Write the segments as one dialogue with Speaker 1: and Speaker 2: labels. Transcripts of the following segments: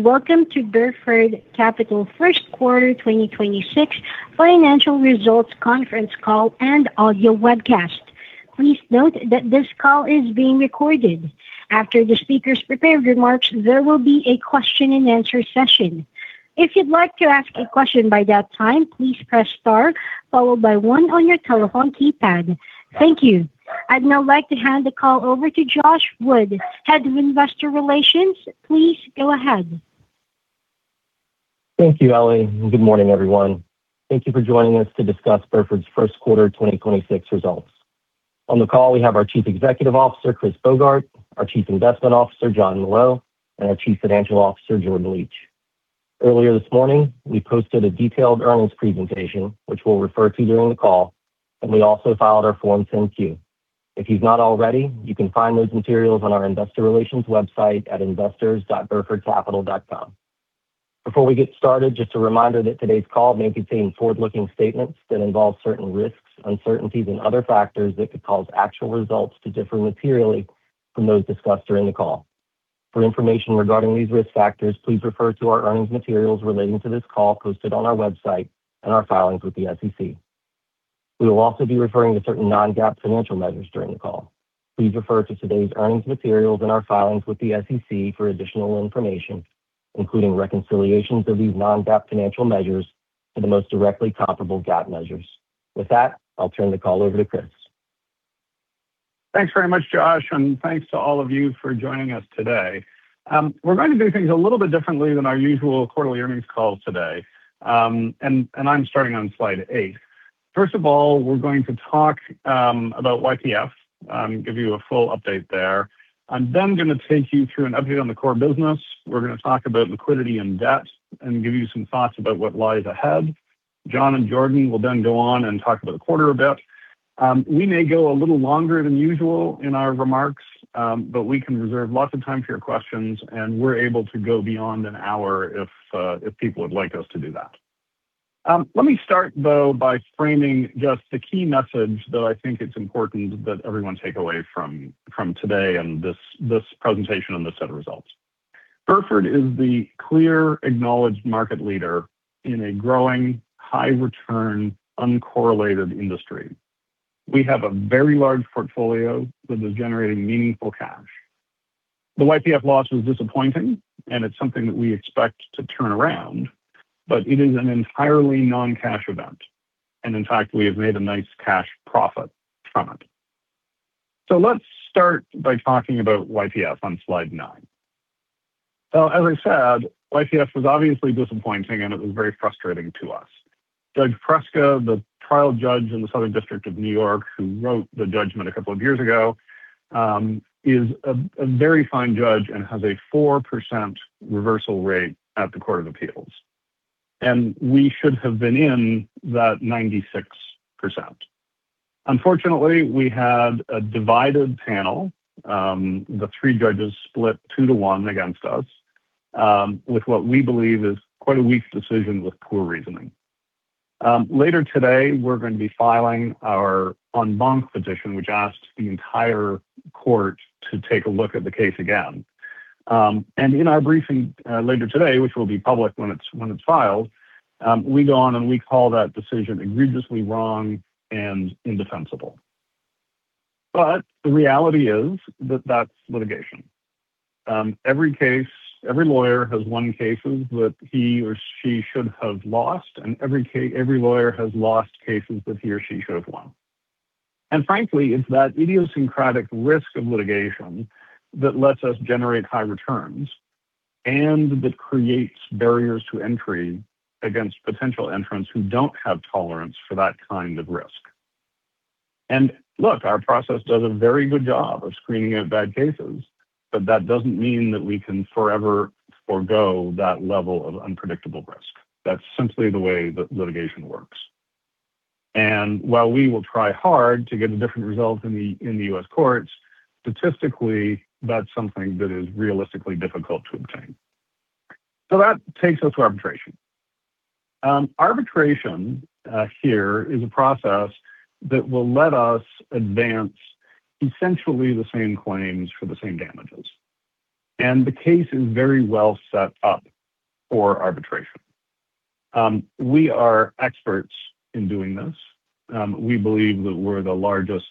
Speaker 1: Welcome to Burford Capital first quarter 2026 financial results conference call and audio webcast. Please note that this call is being recorded. After the speakers prepared remarks, there will be a question and answer session. If you'd like to ask a question by that time, please press star followed by one on your telephone keypad. Thank you. I'd now like to hand the call over to Josh Wood, Head of Investor Relations. Please go ahead.
Speaker 2: Thank you, Ellie, and good morning, everyone. Thank you for joining us to discuss Burford's first quarter 2026 results. On the call, we have our Chief Executive Officer, Christopher Bogart, our Chief Investment Officer, Jonathan Molot, and our Chief Financial Officer, Jordan Licht. Earlier this morning, we posted a detailed earnings presentation which we'll refer to during the call, and we also filed our Form 10-Q. If you've not already, you can find those materials on our investor relations website at investors.burfordcapital.com. Before we get started, just a reminder that today's call may contain forward-looking statements that involve certain risks, uncertainties and other factors that could cause actual results to differ materially from those discussed during the call. For information regarding these risk factors, please refer to our earnings materials relating to this call posted on our website and our filings with the SEC. We will also be referring to certain non-GAAP financial measures during the call. Please refer to today's earnings materials and our filings with the SEC for additional information, including reconciliations of these non-GAAP financial measures to the most directly comparable GAAP measures. With that, I'll turn the call over to Chris.
Speaker 3: Thanks very much, Josh, and thanks to all of you for joining us today. We're going to do things a little bit differently than our usual quarterly earnings call today. I'm starting on slide eight. First of all, we're going to talk about YPF, give you a full update there. I'm gonna take you through an update on the core business. We're gonna talk about liquidity and debt and give you some thoughts about what lies ahead. John and Jordan will go on and talk about the quarter a bit. We may go a little longer than usual in our remarks, we can reserve lots of time for your questions, and we're able to go beyond an hour if people would like us to do that. Let me start, though, by framing just the key message that I think it's important that everyone take away from today and this presentation on this set of results. Burford is the clear acknowledged market leader in a growing, high return, uncorrelated industry. We have a very large portfolio that is generating meaningful cash. The YPF loss was disappointing, and it's something that we expect to turn around, but it is an entirely non-cash event. In fact, we have made a nice cash profit from it. Let's start by talking about YPF on slide nine. As I said, YPF was obviously disappointing, and it was very frustrating to us. Loretta Preska, the trial judge in the Southern District of New York who wrote the judgment a couple of years ago, is a very fine judge and has a four percent reversal rate at the Court of Appeals. We should have been in that 96%. Unfortunately, we had a divided panel. The three judges split two to one against us, with what we believe is quite a weak decision with poor reasoning. Later today, we're gonna be filing our en banc petition, which asks the entire court to take a look at the case again. In our briefing, later today, which will be public when it's filed, we go on and we call that decision egregiously wrong and indefensible. The reality is that that's litigation. Every lawyer has won cases that he or she should have lost, and every lawyer has lost cases that he or she should have won. Frankly, it's that idiosyncratic risk of litigation that lets us generate high returns and that creates barriers to entry against potential entrants who don't have tolerance for that kind of risk. Look, our process does a very good job of screening out bad cases, but that doesn't mean that we can forever forego that level of unpredictable risk. That's simply the way that litigation works. While we will try hard to get a different result in the, in the U.S. courts, statistically, that's something that is realistically difficult to obtain. That takes us to arbitration. Arbitration, here is a process that will let us advance essentially the same claims for the same damages. The case is very well set up for arbitration. We are experts in doing this. We believe that we're the largest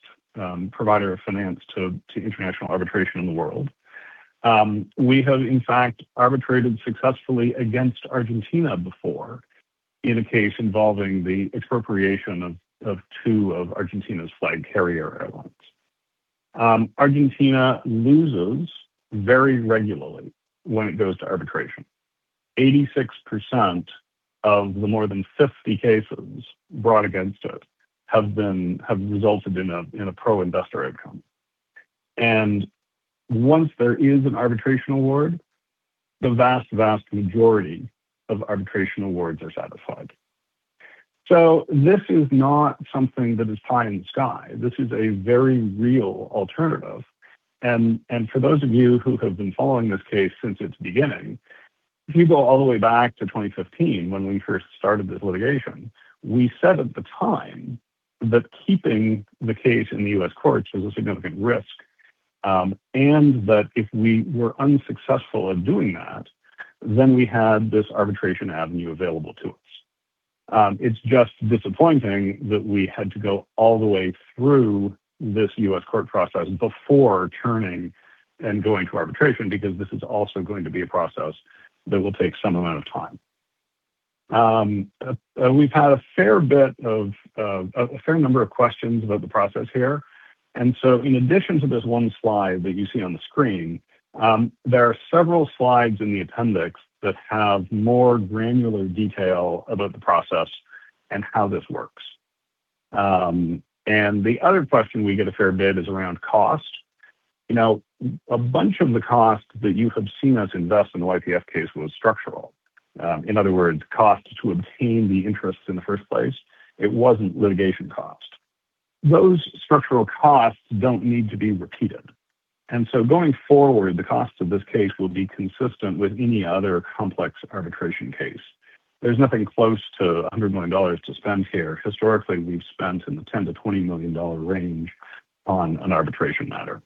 Speaker 3: provider of finance to international arbitration in the world. We have in fact arbitrated successfully against Argentina before in a case involving the expropriation of two of Argentina's flag carrier airlines. Argentina loses very regularly when it goes to arbitration. 86% of the more than 50 cases brought against it have resulted in a pro-investor outcome. Once there is an arbitration award, the vast majority of arbitration awards are satisfied. This is not something that is pie in the sky. This is a very real alternative. For those of you who have been following this case since its beginning, if you go all the way back to 2015 when we first started this litigation, we said at the time that keeping the case in the U.S. courts was a significant risk. That if we were unsuccessful at doing that, then we had this arbitration avenue available to us. It's just disappointing that we had to go all the way through this U.S. court process before turning and going to arbitration because this is also going to be a process that will take some amount of time. We've had a fair bit of, a fair number of questions about the process here. In addition to this one slide that you see on the screen, there are several slides in the appendix that have more granular detail about the process and how this works. The other question we get a fair bit is around cost. You know, a bunch of the cost that you have seen us invest in the YPF case was structural. In other words, cost to obtain the interests in the first place. It wasn't litigation cost. Those structural costs don't need to be repeated. Going forward, the cost of this case will be consistent with any other complex arbitration case. There's nothing close to $100 million to spend here. Historically, we've spent in the $10 million-$20 million range on an arbitration matter.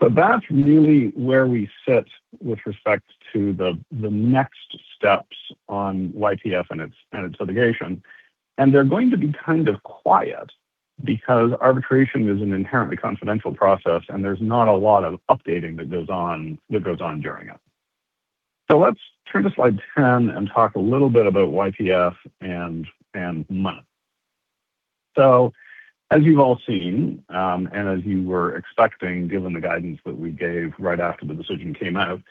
Speaker 3: That's really where we sit with respect to the next steps on YPF and its litigation. They're going to be kind of quiet because arbitration is an inherently confidential process and there's not a lot of updating that goes on during it. Let's turn to slide 10 and talk a little bit about YPF and money. As you've all seen, and as you were expecting given the guidance that we gave right after the decision came out,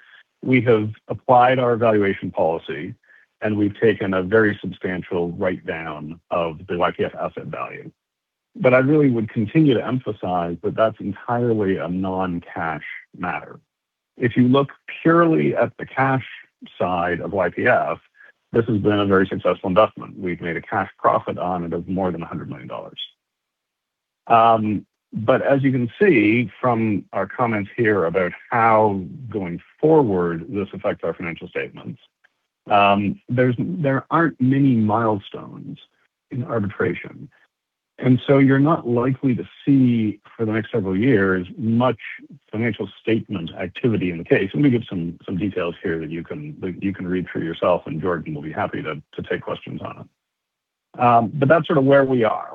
Speaker 3: we have applied our valuation policy and we've taken a very substantial write down of the YPF asset value. I really would continue to emphasize that that's entirely a non-cash matter. If you look purely at the cash side of YPF, this has been a very successful investment. We've made a cash profit on it of more than $100 million. As you can see from our comments here about how going forward this affects our financial statements, there aren't many milestones in arbitration. You're not likely to see for the next several years much financial statement activity in the case. Let me give some details here that you can read through yourself and Jordan will be happy to take questions on it. That's sort of where we are.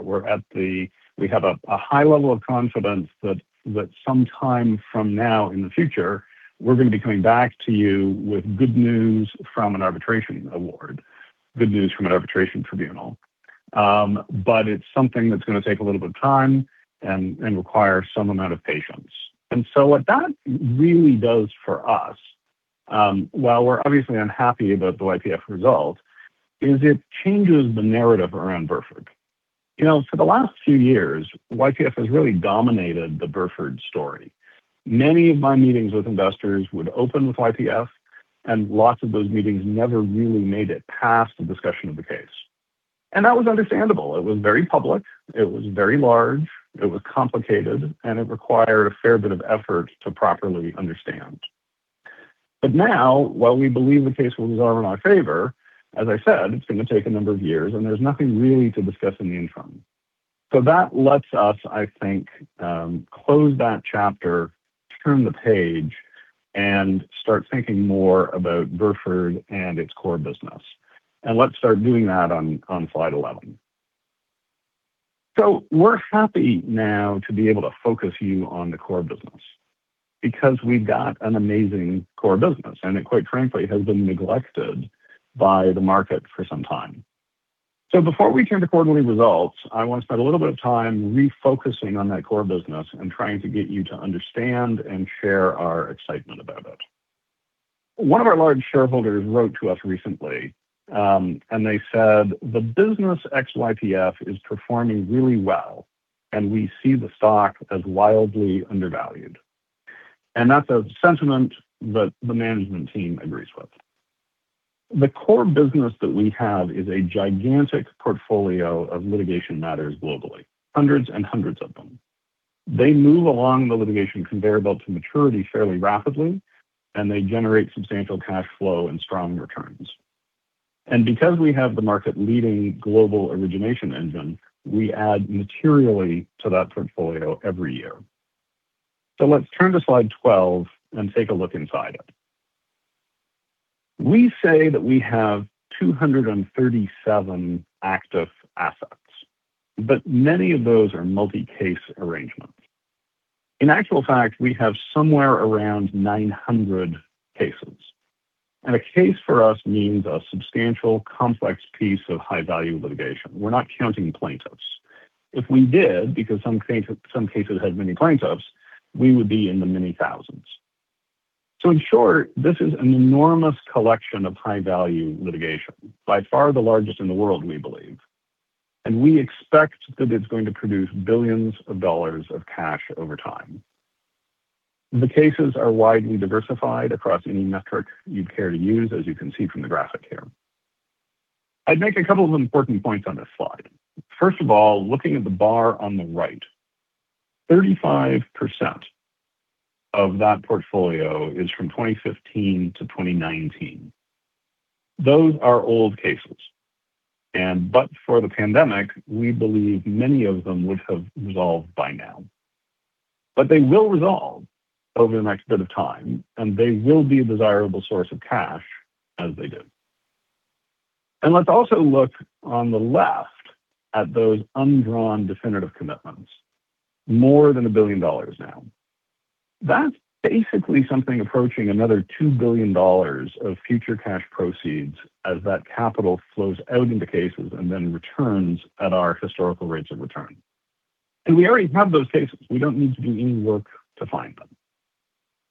Speaker 3: We have a high level of confidence that sometime from now in the future, we're going to be coming back to you with good news from an arbitration award, good news from an arbitration tribunal. It's something that's going to take a little bit of time and require some amount of patience. What that really does for us, while we're obviously unhappy about the YPF result, is it changes the narrative around Burford. You know, for the last few years, YPF has really dominated the Burford story. Many of my meetings with investors would open with YPF and lots of those meetings never really made it past the discussion of the case. That was understandable. It was very public. It was very large. It was complicated and it required a fair bit of effort to properly understand. While we believe the case will resolve in our favor, as I said, it's going to take a number of years and there's nothing really to discuss in the interim. That lets us, I think, close that chapter, turn the page and start thinking more about Burford and its core business. Let's start doing that on slide 11. We're happy now to be able to focus you on the core business because we've got an amazing core business and it quite frankly has been neglected by the market for some time. Before we turn to quarterly results, I want to spend a little bit of time refocusing on that core business and trying to get you to understand and share our excitement about it. One of our large shareholders wrote to us recently and they said, "The business ex-YPF is performing really well and we see the stock as wildly undervalued." That's a sentiment that the management team agrees with. The core business that we have is a gigantic portfolio of litigation matters globally, hundreds of them. They move along the litigation conveyor belt to maturity fairly rapidly and they generate substantial cash flow and strong returns. Because we have the market leading global origination engine, we add materially to that portfolio every year. Let's turn to slide 12 and take a look inside it. We say that we have 237 active assets, but many of those are multi-case arrangements. In actual fact, we have somewhere around 900 cases. A case for us means a substantial complex piece of high value litigation. We're not counting plaintiffs. If we did, because some cases had many plaintiffs, we would be in the many thousands. In short, this is an enormous collection of high value litigation, by far the largest in the world, we believe. We expect that it's going to produce billions of dollars of cash over time. The cases are widely diversified across any metric you'd care to use, as you can see from the graphic here. I'd make a couple of important points on this slide. Looking at the bar on the right, 35% of that portfolio is from 2015 to 2019. Those are old cases. But for the pandemic, we believe many of them would have resolved by now. They will resolve over the next bit of time, and they will be a desirable source of cash as they do. Let's also look on the left at those undrawn definitive commitments, more than GBP 1 billion now. That's basically something approaching another GBP 2 billion of future cash proceeds as that capital flows out into cases and then returns at our historical rates of return. We already have those cases. We don't need to do any work to find them.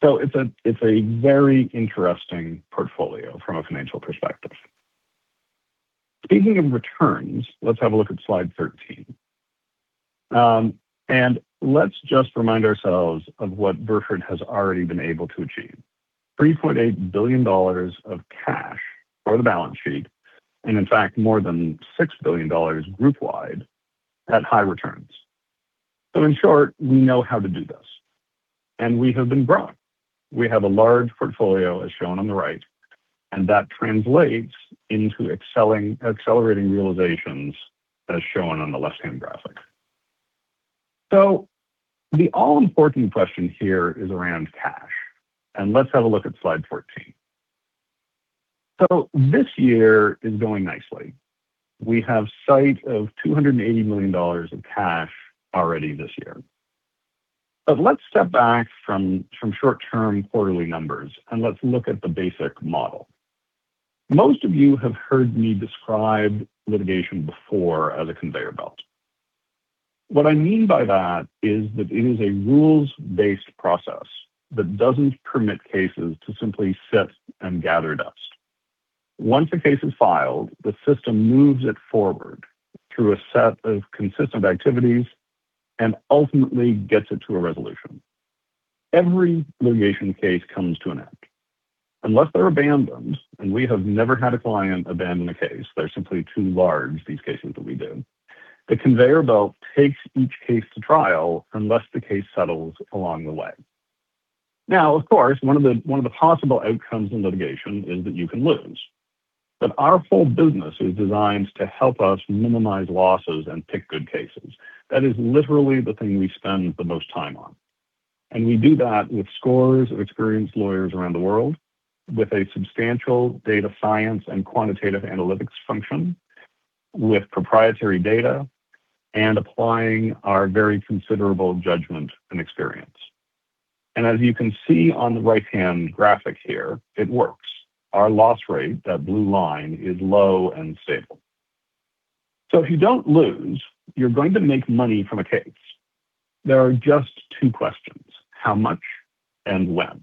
Speaker 3: It's a very interesting portfolio from a financial perspective. Speaking of returns, let's have a look at slide 13. Let's just remind ourselves of what Burford has already been able to achieve. $3.8 billion of cash for the balance sheet, and in fact, more than $6 billion group wide at high returns. In short, we know how to do this, and we have been brought. We have a large portfolio as shown on the right, that translates into accelerating realizations as shown on the left-hand graphic. The all-important question here is around cash, and let's have a look at slide 14. This year is going nicely. We have sight of $280 million in cash already this year. Let's step back from short-term quarterly numbers, and let's look at the basic model. Most of you have heard me describe litigation before as a conveyor belt. What I mean by that is that it is a rules-based process that doesn't permit cases to simply sit and gather dust. Once a case is filed, the system moves it forward through a set of consistent activities and ultimately gets it to a resolution. Every litigation case comes to an end. Unless they're abandoned, and we have never had a client abandon a case, they're simply too large, these cases that we do. The conveyor belt takes each case to trial unless the case settles along the way. Of course, one of the possible outcomes in litigation is that you can lose. Our whole business is designed to help us minimize losses and pick good cases. That is literally the thing we spend the most time on. We do that with scores of experienced lawyers around the world with a substantial data science and quantitative analytics function with proprietary data and applying our very considerable judgment and experience. As you can see on the right-hand graphic here, it works. Our loss rate, that blue line, is low and stable. If you don't lose, you're going to make money from a case. There are just two questions. How much and when?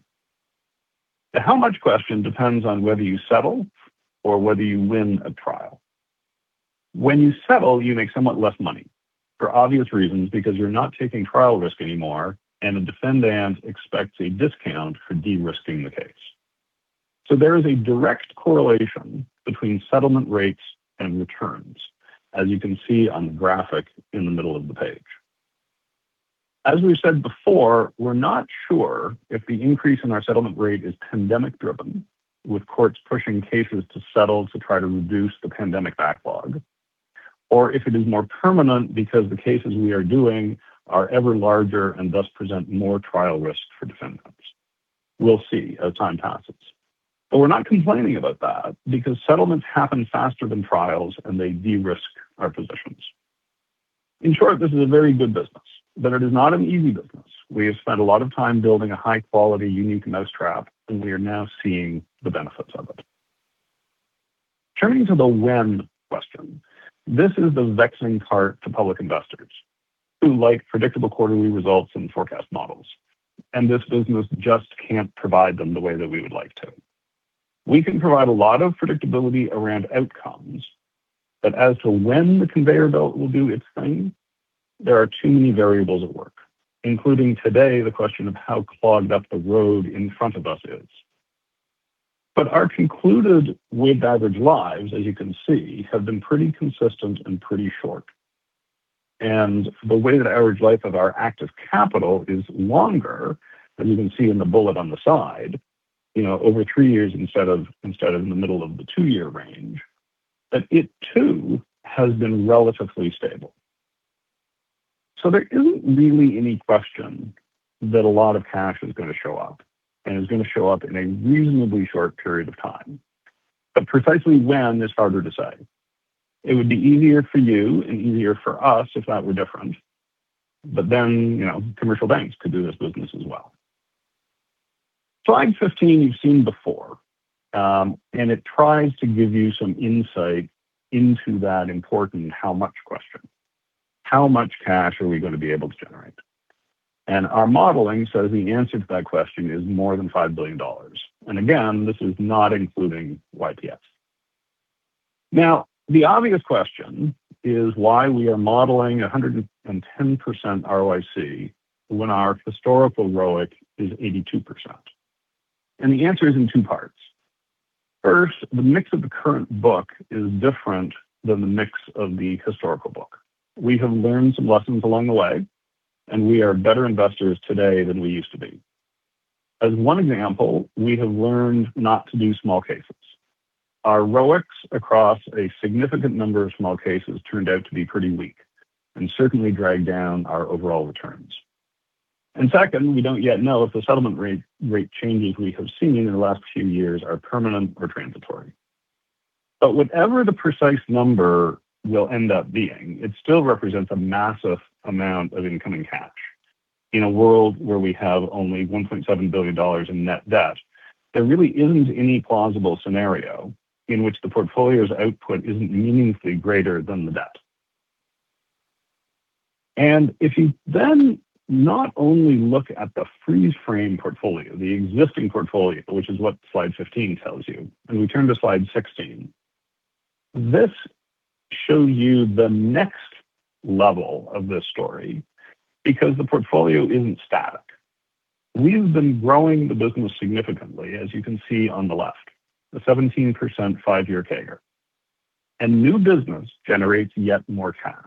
Speaker 3: The how much question depends on whether you settle or whether you win a trial. When you settle, you make somewhat less money for obvious reasons, because you're not taking trial risk anymore, and the defendant expects a discount for de-risking the case. There is a direct correlation between settlement rates and returns, as you can see on the graphic in the middle of the page. As we said before, we're not sure if the increase in our settlement rate is pandemic-driven, with courts pushing cases to settle to try to reduce the pandemic backlog, or if it is more permanent because the cases we are doing are ever larger and thus present more trial risk for defendants. We'll see as time passes. We're not complaining about that because settlements happen faster than trials, and they de-risk our positions. In short, this is a very good business, but it is not an easy business. We have spent a lot of time building a high-quality, unique mouse trap, and we are now seeing the benefits of it. Turning to the when question, this is the vexing part to public investors who like predictable quarterly results and forecast models. This business just can't provide them the way that we would like to. We can provide a lot of predictability around outcomes. As to when the conveyor belt will do its thing, there are too many variables at work, including today, the question of how clogged up the road in front of us is. Our concluded weighted average lives, as you can see, have been pretty consistent and pretty short. The weighted average life of our active capital is longer, as you can see in the bullet on the side, you know, over three years instead of in the middle of the two-year range. It too has been relatively stable. There isn't really any question that a lot of cash is gonna show up, and it's gonna show up in a reasonably short period of time. Precisely when is harder to say. It would be easier for you and easier for us if that were different. Then, you know, commercial banks could do this business as well. Slide 15 you've seen before, and it tries to give you some insight into that important how much question. How much cash are we going to be able to generate? Our modeling says the answer to that question is more than $5 billion. Again, this is not including YPF. The obvious question is why we are modeling 110% ROIC when our historical ROIC is 82%. The answer is in two parts. First, the mix of the current book is different than the mix of the historical book. We have learned some lessons along the way, and we are better investors today than we used to be. As one example, we have learned not to do small cases. Our ROICs across a significant number of small cases turned out to be pretty weak and certainly dragged down our overall returns. Second, we don't yet know if the settlement rate changes we have seen in the last few years are permanent or transitory. Whatever the precise number will end up being, it still represents a massive amount of incoming cash. In a world where we have only $1.7 billion in net debt, there really isn't any plausible scenario in which the portfolio's output isn't meaningfully greater than the debt. If you then not only look at the freeze frame portfolio, the existing portfolio, which is what slide 15 tells you, and we turn to slide 16, this shows you the next level of this story because the portfolio isn't static. We have been growing the business significantly, as you can see on the left, the 17% five-year CAGR, new business generates yet more cash.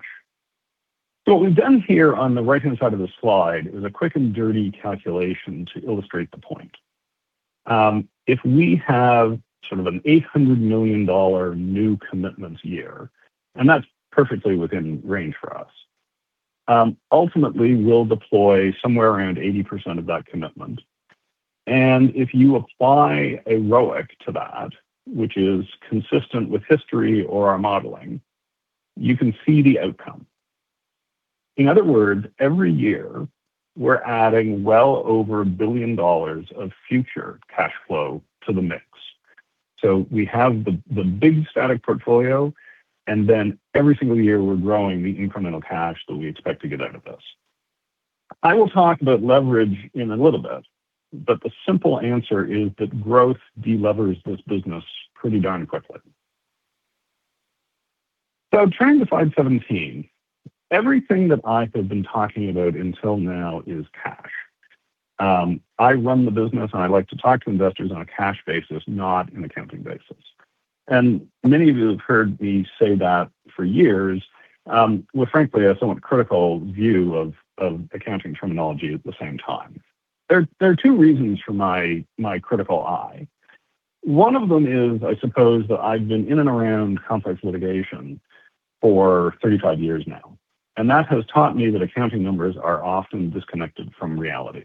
Speaker 3: What we've done here on the right-hand side of the slide is a quick and dirty calculation to illustrate the point. If we have sort of an $800 million new commitments year, and that's perfectly within range for us, ultimately, we'll deploy somewhere around 80% of that commitment. If you apply a ROIC to that, which is consistent with history or our modeling, you can see the outcome. In other words, every year, we're adding well over $1 billion of future cash flow to the mix. We have the big static portfolio, and then every single year, we're growing the incremental cash that we expect to get out of this. I will talk about leverage in a little bit, the simple answer is that growth de-levers this business pretty darn quickly. Turning to slide 17, everything that I have been talking about until now is cash. I run the business, and I like to talk to investors on a cash basis, not an accounting basis. Many of you have heard me say that for years, with frankly, a somewhat critical view of accounting terminology at the same time. There are two reasons for my critical eye. One of them is, I suppose, that I've been in and around complex litigation for 35 years now, that has taught me that accounting numbers are often disconnected from reality.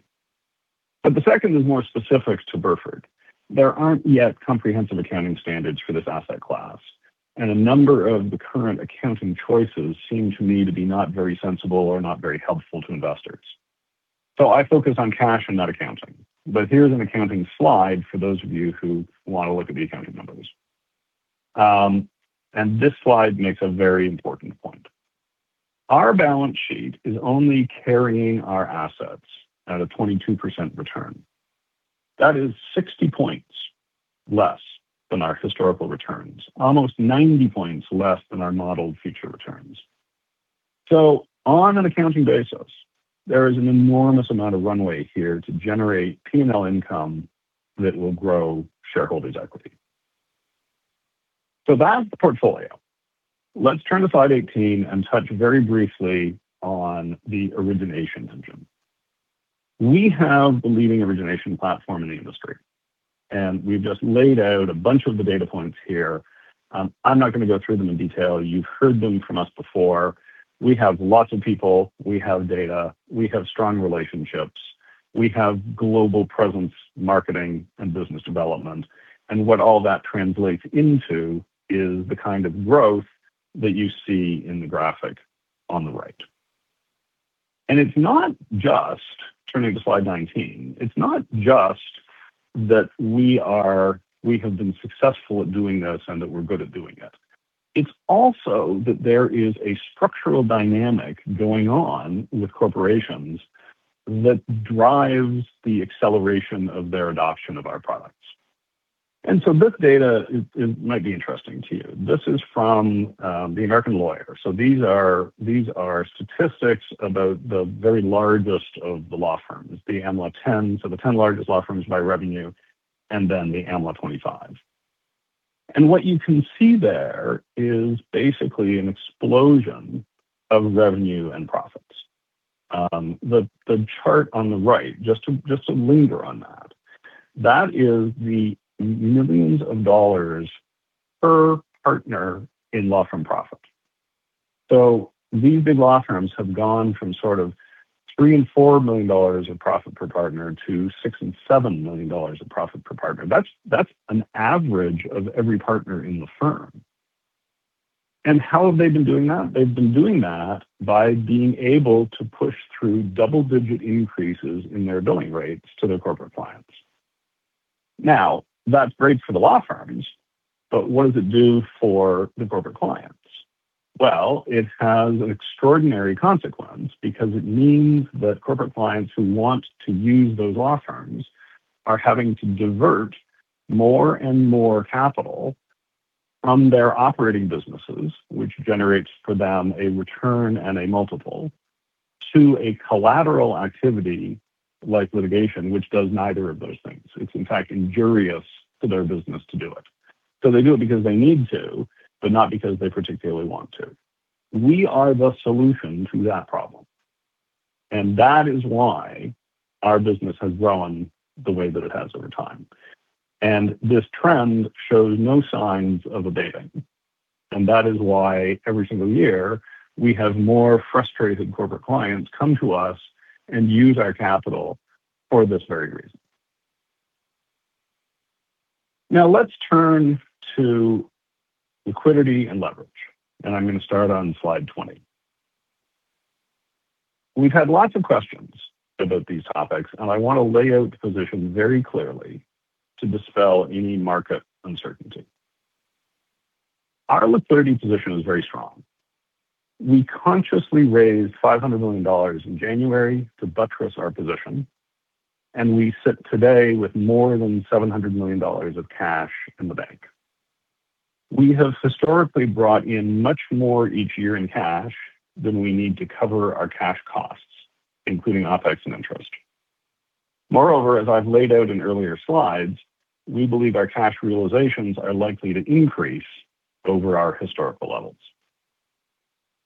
Speaker 3: The second is more specific to Burford Capital. There aren't yet comprehensive accounting standards for this asset class, a number of the current accounting choices seem to me to be not very sensible or not very helpful to investors. I focus on cash and not accounting. Here's an accounting slide for those of you who want to look at the accounting numbers. This slide makes a very important point. Our balance sheet is only carrying our assets at a 22% return. That is 60 points less than our historical returns, almost 90 points less than our modeled future returns. On an accounting basis, there is an enormous amount of runway here to generate P&L income that will grow shareholders' equity. That's the portfolio. Let's turn to slide 18 and touch very briefly on the origination engine. We have the leading origination platform in the industry, and we've just laid out a bunch of the data points here. I'm not gonna go through them in detail. You've heard them from us before. We have lots of people. We have data. We have strong relationships. We have global presence, marketing, and business development. What all that translates into is the kind of growth that you see in the graphic on the right. It's not just, turning to slide 19, it's not just that we have been successful at doing this and that we're good at doing it. It's also that there is a structural dynamic going on with corporations that drives the acceleration of their adoption of our products. This data is might be interesting to you. This is from The American Lawyer. These are statistics about the very largest of the law firms, the Am Law 10, so the 10 largest law firms by revenue, and then the Am Law 25. What you can see there is basically an explosion of revenue and profits. The chart on the right, just to linger on that is the millions of dollars per partner in law firm profits. These big law firms have gone from sort of $3 million and $4 million of profit per partner to $6 million and $7 million of profit per partner. That's an average of every partner in the firm. How have they been doing that? They've been doing that by being able to push through double-digit increases in their billing rates to their corporate clients. That's great for the law firms, but what does it do for the corporate clients? It has an extraordinary consequence because it means that corporate clients who want to use those law firms are having to divert more and more capital from their operating businesses, which generates for them a return and a multiple, to a collateral activity like litigation, which does neither of those things. It's, in fact, injurious to their business to do it. They do it because they need to, but not because they particularly want to. We are the solution to that problem, and that is why our business has grown the way that it has over time. This trend shows no signs of abating, and that is why every single year we have more frustrated corporate clients come to us and use our capital for this very reason. Let's turn to liquidity and leverage. I'm going to start on slide 20. We've had lots of questions about these topics, and I want to lay out the position very clearly to dispel any market uncertainty. Our liquidity position is very strong. We consciously raised $500 million in January to buttress our position, and we sit today with more than $700 million of cash in the bank. We have historically brought in much more each year in cash than we need to cover our cash costs, including OpEx and interest. Moreover, as I've laid out in earlier slides, we believe our cash realizations are likely to increase over our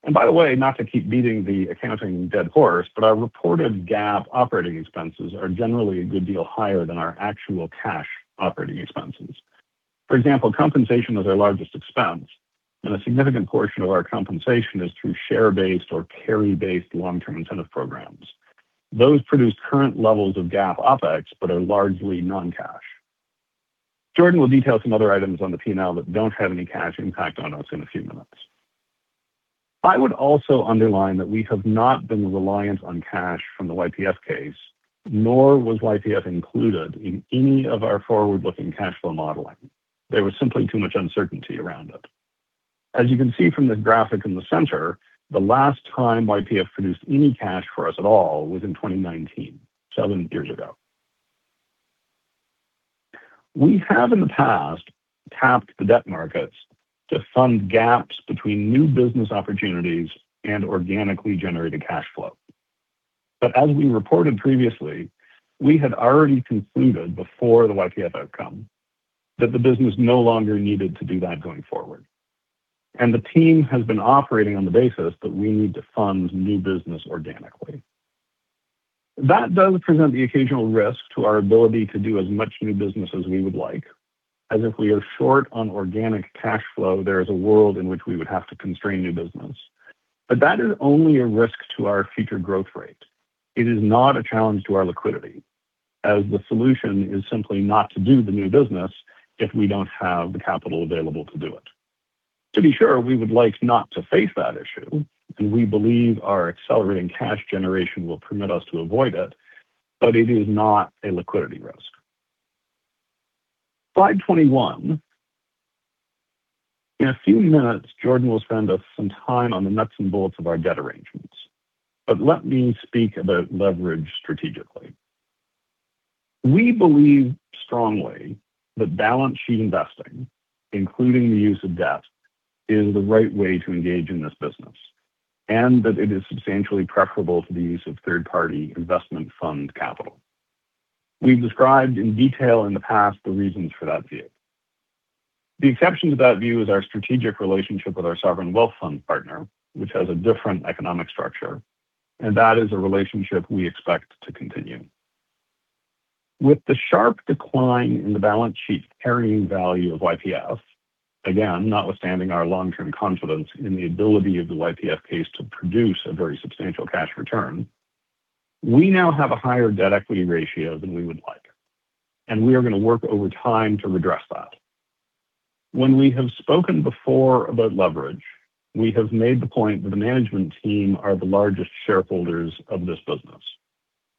Speaker 3: historical levels. By the way, not to keep beating the accounting dead horse, but our reported GAAP operating expenses are generally a good deal higher than our actual cash operating expenses. For example, compensation was our largest expense, and a significant portion of our compensation is through share-based or carry-based long-term incentive programs. Those produce current levels of GAAP OpEx but are largely non-cash. Jordan will detail some other items on the P&L that don't have any cash impact on us in a few minutes. I would also underline that we have not been reliant on cash from the YPF case, nor was YPF included in any of our forward-looking cash flow modeling. There was simply too much uncertainty around it. As you can see from the graphic in the center, the last time YPF produced any cash for us at all was in 2019, seven years ago. We have in the past tapped the debt markets to fund gaps between new business opportunities and organically generated cash flow. As we reported previously, we had already concluded before the YPF outcome that the business no longer needed to do that going forward. The team has been operating on the basis that we need to fund new business organically. That does present the occasional risk to our ability to do as much new business as we would like, as if we are short on organic cash flow, there is a world in which we would have to constrain new business. That is only a risk to our future growth rate. It is not a challenge to our liquidity, as the solution is simply not to do the new business if we don't have the capital available to do it. To be sure, we would like not to face that issue, and we believe our accelerating cash generation will permit us to avoid it, but it is not a liquidity risk. Slide 21. In a few minutes, Jordan will spend us some time on the nuts and bolts of our debt arrangements. Let me speak about leverage strategically. We believe strongly that balance sheet investing, including the use of debt, is the right way to engage in this business, and that it is substantially preferable to the use of third-party investment fund capital. We've described in detail in the past the reasons for that view. The exception to that view is our strategic relationship with our sovereign wealth fund partner, which has a different economic structure, and that is a relationship we expect to continue. With the sharp decline in the balance sheet carrying value of YPF, again, notwithstanding our long-term confidence in the ability of the YPF case to produce a very substantial cash return, we now have a higher debt equity ratio than we would like, and we are gonna work over time to redress that. When we have spoken before about leverage, we have made the point that the management team are the largest shareholders of this business,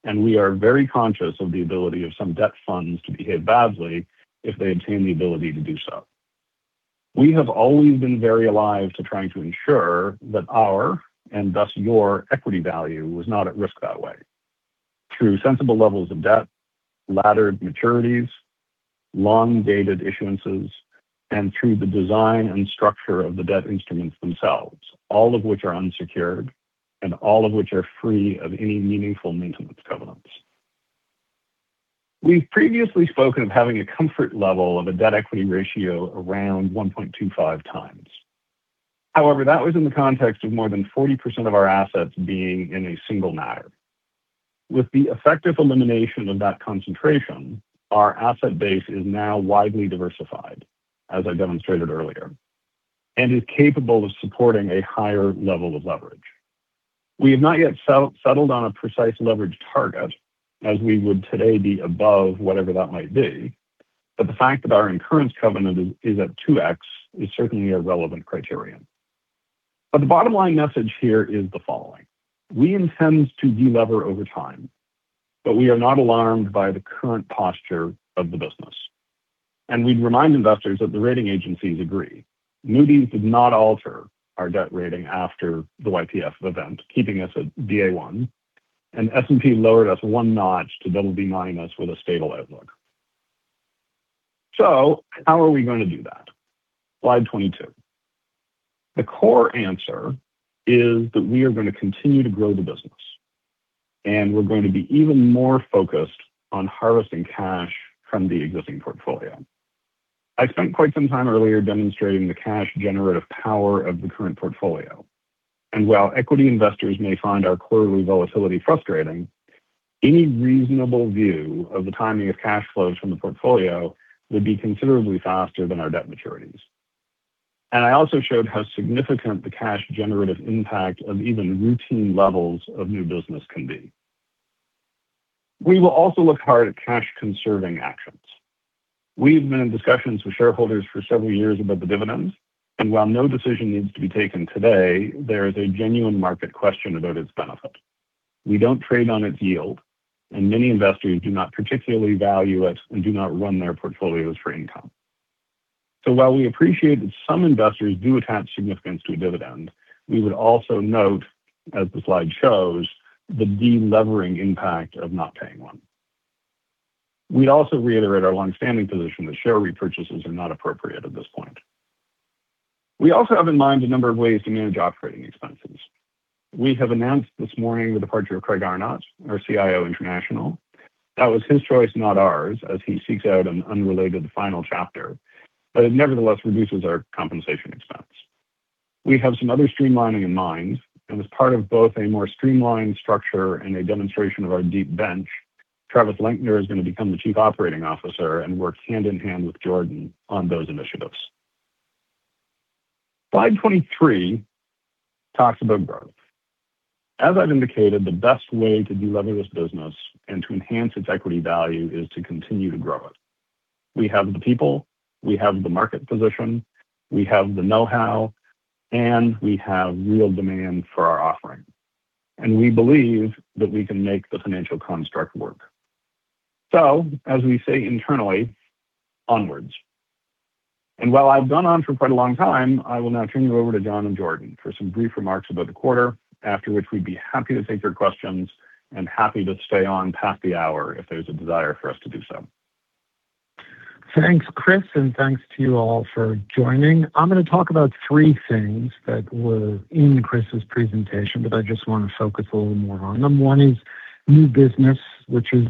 Speaker 3: and we are very conscious of the ability of some debt funds to behave badly if they obtain the ability to do so. We have always been very alive to trying to ensure that our, and thus your, equity value was not at risk that way. Through sensible levels of debt, laddered maturities, long-dated issuances, and through the design and structure of the debt instruments themselves, all of which are unsecured, and all of which are free of any meaningful maintenance covenants. We've previously spoken of having a comfort level of a debt equity ratio around one point two five times. However, that was in the context of more than 40% of our assets being in a single matter. With the effective elimination of that concentration, our asset base is now widely diversified, as I demonstrated earlier, and is capable of supporting a higher level of leverage. We have not yet settled on a precise leverage target, as we would today be above whatever that might be. The fact that our incurrence covenant is at two x is certainly a relevant criterion. The bottom line message here is the following: We intend to de-lever over time, but we are not alarmed by the current posture of the business. We'd remind investors that the rating agencies agree. Moody's did not alter our debt rating after the YPF event, keeping us at Ba1, and S&P lowered us one notch to BB- minus with a stable outlook. How are we gonna do that? Slide 22. The core answer is that we are gonna continue to grow the business. We're going to be even more focused on harvesting cash from the existing portfolio. I spent quite some time earlier demonstrating the cash generative power of the current portfolio. While equity investors may find our quarterly volatility frustrating, any reasonable view of the timing of cash flows from the portfolio would be considerably faster than our debt maturities. I also showed how significant the cash generative impact of even routine levels of new business can be. We will also look hard at cash conserving actions. We've been in discussions with shareholders for several years about the dividends, and while no decision needs to be taken today, there is a genuine market question about its benefit. We don't trade on its yield, and many investors do not particularly value it and do not run their portfolios for income. While we appreciate that some investors do attach significance to a dividend, we would also note, as the slide shows, the de-levering impact of not paying one. We also reiterate our longstanding position that share repurchases are not appropriate at this point. We also have in mind a number of ways to manage operating expenses. We have announced this morning the departure of Craig Arnott, our CIO International. That was his choice, not ours, as he seeks out an unrelated final chapter, but it nevertheless reduces our compensation expense. We have some other streamlining in mind, and as part of both a more streamlined structure and a demonstration of our deep bench, Travis Lenkner is going to become the Chief Operating Officer and work hand-in-hand with Jordan on those initiatives. Slide 23 talks about growth. As I've indicated, the best way to de-lever this business and to enhance its equity value is to continue to grow it. We have the people, we have the market position, we have the know-how, and we have real demand for our offering, and we believe that we can make the financial construct work. As we say internally, onwards. While I've gone on for quite a long time, I will now turn you over to Jon and Jordan for some brief remarks about the quarter, after which we'd be happy to take your questions and happy to stay on past the hour if there's a desire for us to do so.
Speaker 4: Thanks, Chris, and thanks to you all for joining. I'm going to talk about three things that were in Chris's presentation that I just want to focus a little more on. Number one is new business, which is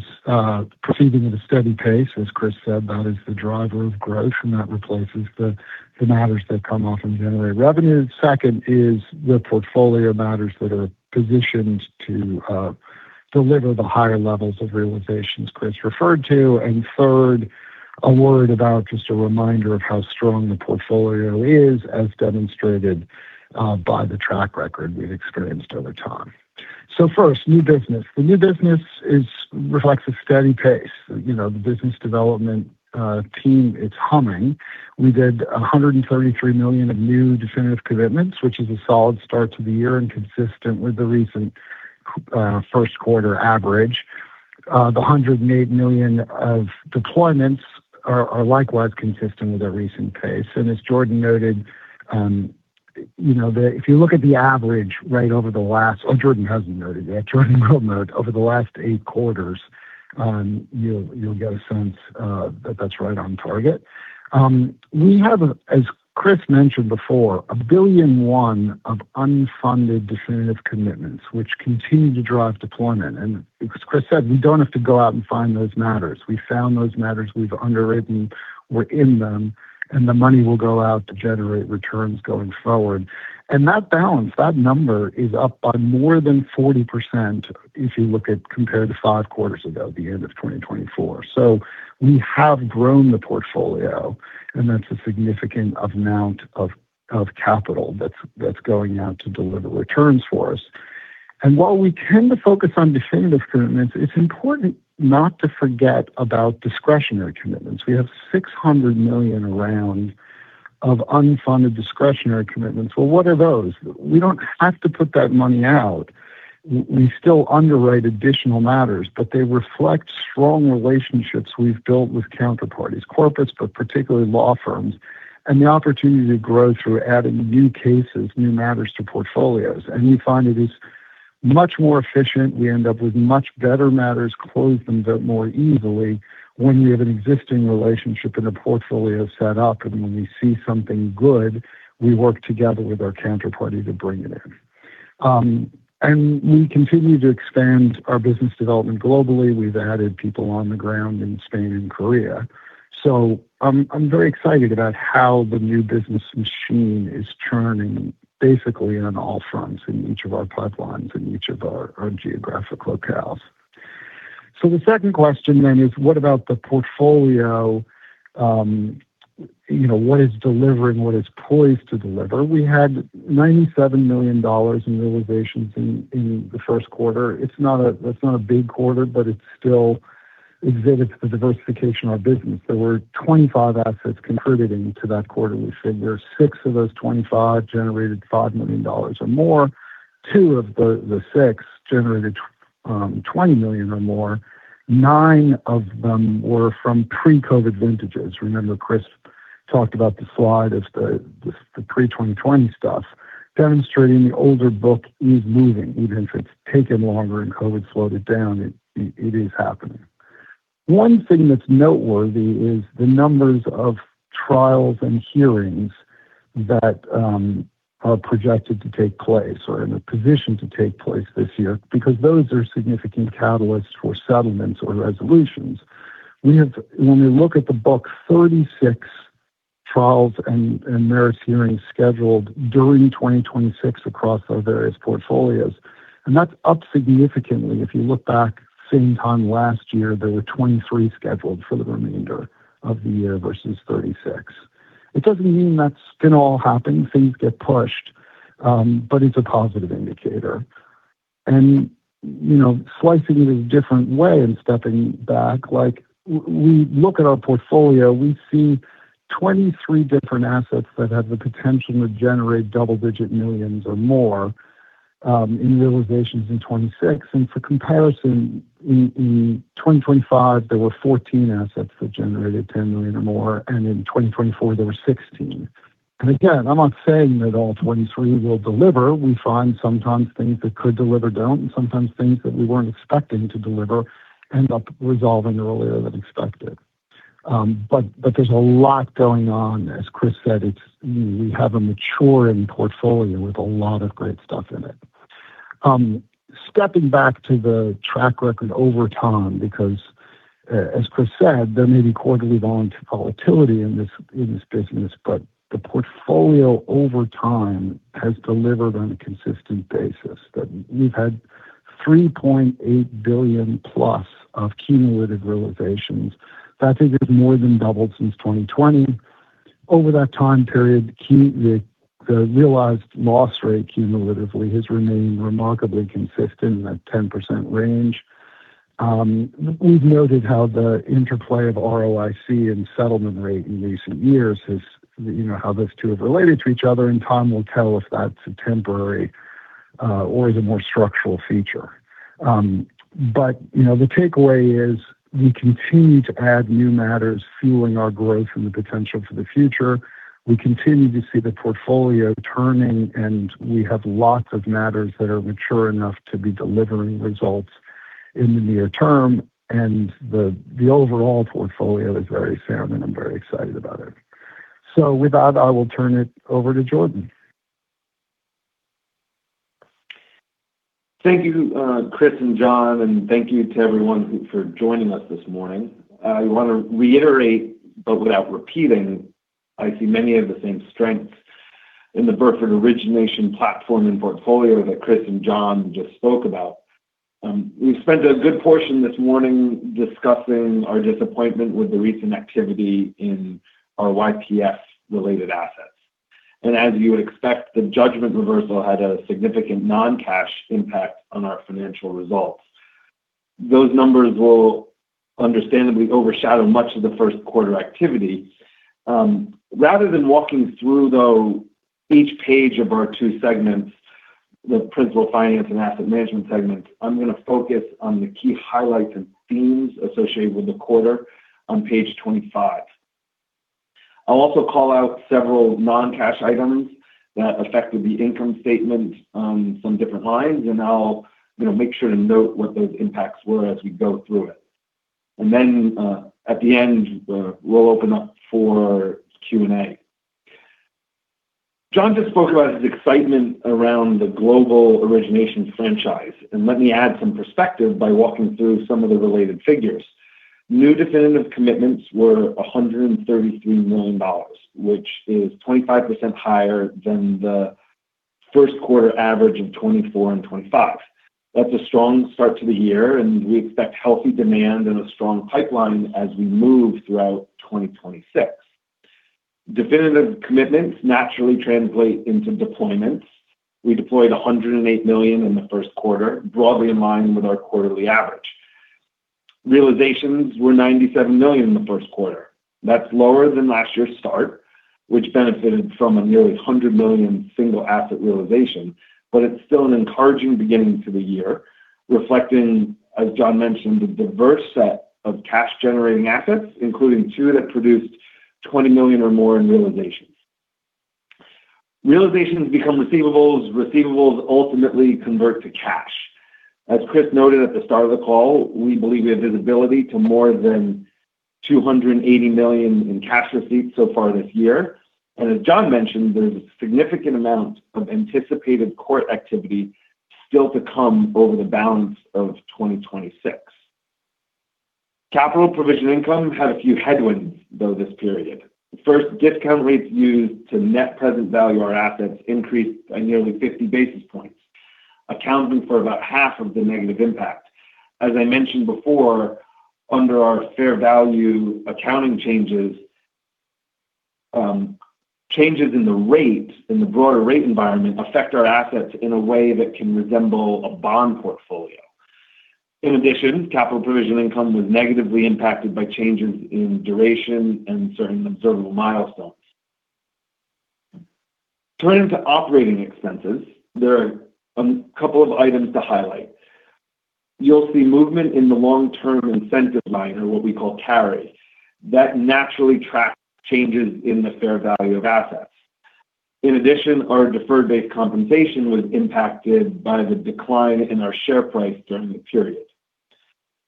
Speaker 4: proceeding at a steady pace. As Chris said, that is the driver of growth and that replaces the matters that come off and generate revenue. Second is the portfolio matters that are positioned to deliver the higher levels of realizations Chris referred to. Third, a word about just a reminder of how strong the portfolio is as demonstrated by the track record we've experienced over time. First, new business. The new business reflects a steady pace. You know, the business development team is humming. We did $133 million of new definitive commitments, which is a solid start to the year and consistent with the recent first quarter average. The $108 million of deployments are likewise consistent with our recent pace. As Jordan Licht noted, you know, if you look at the average right over the last Jordan Licht hasn't noted yet. Jordan Licht will note over the last eight quarters, you'll get a sense that that's right on target. We have, as Christopher Bogart mentioned before, a $1 billion, one of unfunded definitive commitments, which continue to drive deployment. As Christopher Bogart said, we don't have to go out and find those matters. We found those matters. We've underwritten, we're in them, the money will go out to generate returns going forward. That balance, that number is up by more than 40% if you look at compared to five quarters ago at the end of 2024. We have grown the portfolio, and that's a significant amount of capital that's going out to deliver returns for us. While we tend to focus on definitive commitments, it's important not to forget about discretionary commitments. We have $600 million around of unfunded discretionary commitments. What are those? We don't have to put that money out. We still underwrite additional matters, but they reflect strong relationships we've built with counterparties, corporates, but particularly law firms, and the opportunity to grow through adding new cases, new matters to portfolios. We find it is much more efficient. We end up with much better matters, close them more easily when we have an existing relationship and a portfolio set up. When we see something good, we work together with our counterparty to bring it in. We continue to expand our business development globally. We've added people on the ground in Spain and Korea. I'm very excited about how the new business machine is churning basically on all fronts in each of our pipelines, in each of our geographic locales. The second question is: what about the portfolio? You know, what is delivering? What is poised to deliver? We had $97 million in realizations in the first quarter. It's not a big quarter, but it still exhibits the diversification of our business. There were 25 assets contributing to that quarterly figure. Six of those 25 generated $5 million or more. Two of the six generated $20 million or more. Nine of them were from pre-COVID vintages. Remember, Chris talked about the slide as the pre 2020 stuff, demonstrating the older book is moving. Even if it's taken longer and COVID slowed it down, it is happening. One thing that's noteworthy is the numbers of trials and hearings that are projected to take place or in a position to take place this year, because those are significant catalysts for settlements or resolutions. When we look at the book, 36 trials and merits hearings scheduled during 2026 across our various portfolios, and that's up significantly. If you look back same time last year, there were 23 scheduled for the remainder of the year versus 36. It doesn't mean that's gonna all happen. Things get pushed, it's a positive indicator. You know, slicing it a different way and stepping back, like we look at our portfolio, we see 23 different assets that have the potential to generate double-digit millions or more in realizations in 2026. For comparison, in 2025, there were 14 assets that generated 10 million or more, and in 2024 there were 16. Again, I'm not saying that all 23 will deliver. We find sometimes things that could deliver don't, and sometimes things that we weren't expecting to deliver end up resolving earlier than expected. But there's a lot going on. As Chris said, we have a maturing portfolio with a lot of great stuff in it. Stepping back to the track record over time, because as Chris said, there may be quarterly volatility in this, in this business, but the portfolio over time has delivered on a consistent basis, that we've had $3.8 billion-plus of cumulative realizations. That figure's more than doubled since 2020. Over that time period, the realized loss rate cumulatively has remained remarkably consistent in that 10% range. We've noted how the interplay of ROIC and settlement rate in recent years has, you know, how those two have related to each other, and time will tell if that's a temporary or is a more structural feature. You know, the takeaway is we continue to add new matters, fueling our growth and the potential for the future. We continue to see the portfolio turning, and we have lots of matters that are mature enough to be delivering results in the near term. The overall portfolio is very sound, and I'm very excited about it. With that, I will turn it over to Jordan.
Speaker 5: Thank you, Chris and John, thank you to everyone for joining us this morning. I want to reiterate, but without repeating, I see many of the same strengths in the Burford origination platform and portfolio that Chris and John just spoke about. We've spent a good portion this morning discussing our disappointment with the recent activity in our YPF-related assets. As you would expect, the judgment reversal had a significant non-cash impact on our financial results. Those numbers will understandably overshadow much of the first quarter activity. Rather than walking through, though, each page of our two segments, the Principal Finance and Asset Management segments, I'm gonna focus on the key highlights and themes associated with the quarter on page 25. I'll also call out several non-cash items that affected the income statement on some different lines, and I'll, you know, make sure to note what those impacts were as we go through it. Then, at the end, we'll open up for Q&A. John just spoke about his excitement around the global origination franchise, and let me add some perspective by walking through some of the related figures. New definitive commitments were $133 million, which is 25% higher than the first quarter average of 2024 and 2025. That's a strong start to the year, and we expect healthy demand and a strong pipeline as we move throughout 2026. Definitive commitments naturally translate into deployments. We deployed $108 million in the first quarter, broadly in line with our quarterly average. Realizations were $97 million in the first quarter. That's lower than last year's start, which benefited from a nearly $100 million single asset realization. It's still an encouraging beginning to the year, reflecting, as John mentioned, the diverse set of cash-generating assets, including two that produced $20 million or more in realizations. Realizations become receivables. Receivables ultimately convert to cash. As Chris noted at the start of the call, we believe we have visibility to more than $280 million in cash receipts so far this year. As Jon mentioned, there's a significant amount of anticipated court activity still to come over the balance of 2026. Capital provision income had a few headwinds, though this period. First, discount rates used to net present value our assets increased by nearly 50 basis points, accounting for about half of the negative impact. As I mentioned before, under our fair value accounting changes in the rate, in the broader rate environment affect our assets in a way that can resemble a bond portfolio. In addition, capital provision income was negatively impacted by changes in duration and certain observable milestones. Turning to operating expenses, there are a couple of items to highlight. You'll see movement in the long-term incentive line, or what we call carry. That naturally tracks changes in the fair value of assets. In addition, our deferred-based compensation was impacted by the decline in our share price during the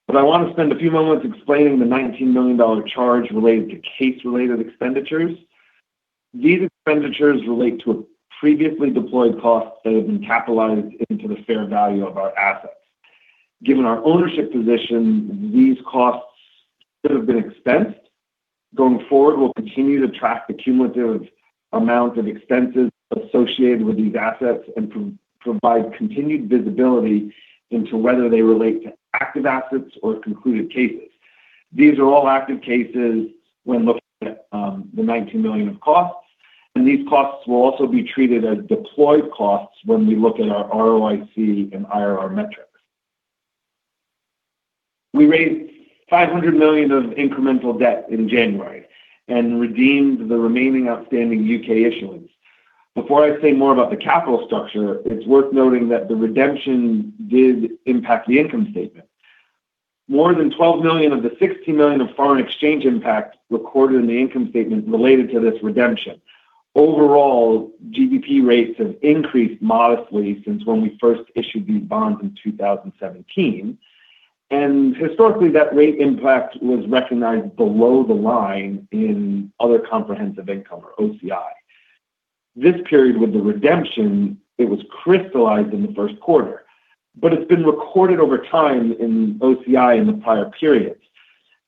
Speaker 5: period. I want to spend a few moments explaining the $19 million charge related to case-related expenditures. These expenditures relate to a previously deployed cost that has been capitalized into the fair value of our assets. Given our ownership position, these costs could have been expensed. Going forward, we'll continue to track the cumulative amount of expenses associated with these assets and provide continued visibility into whether they relate to active assets or concluded cases. These are all active cases when looking at the $19 million of costs, and these costs will also be treated as deployed costs when we look at our ROIC and IRR metrics. We raised $500 million of incremental debt in January and redeemed the remaining outstanding U.K. issuance. Before I say more about the capital structure, it's worth noting that the redemption did impact the income statement. More than $12 million of the $60 million of foreign exchange impact recorded in the income statement related to this redemption. Overall, GBP rates have increased modestly since when we first issued these bonds in 2017. Historically, that rate impact was recognized below the line in other comprehensive income, or OCI. This period with the redemption, it was crystallized in the first quarter, but it's been recorded over time in OCI in the prior periods.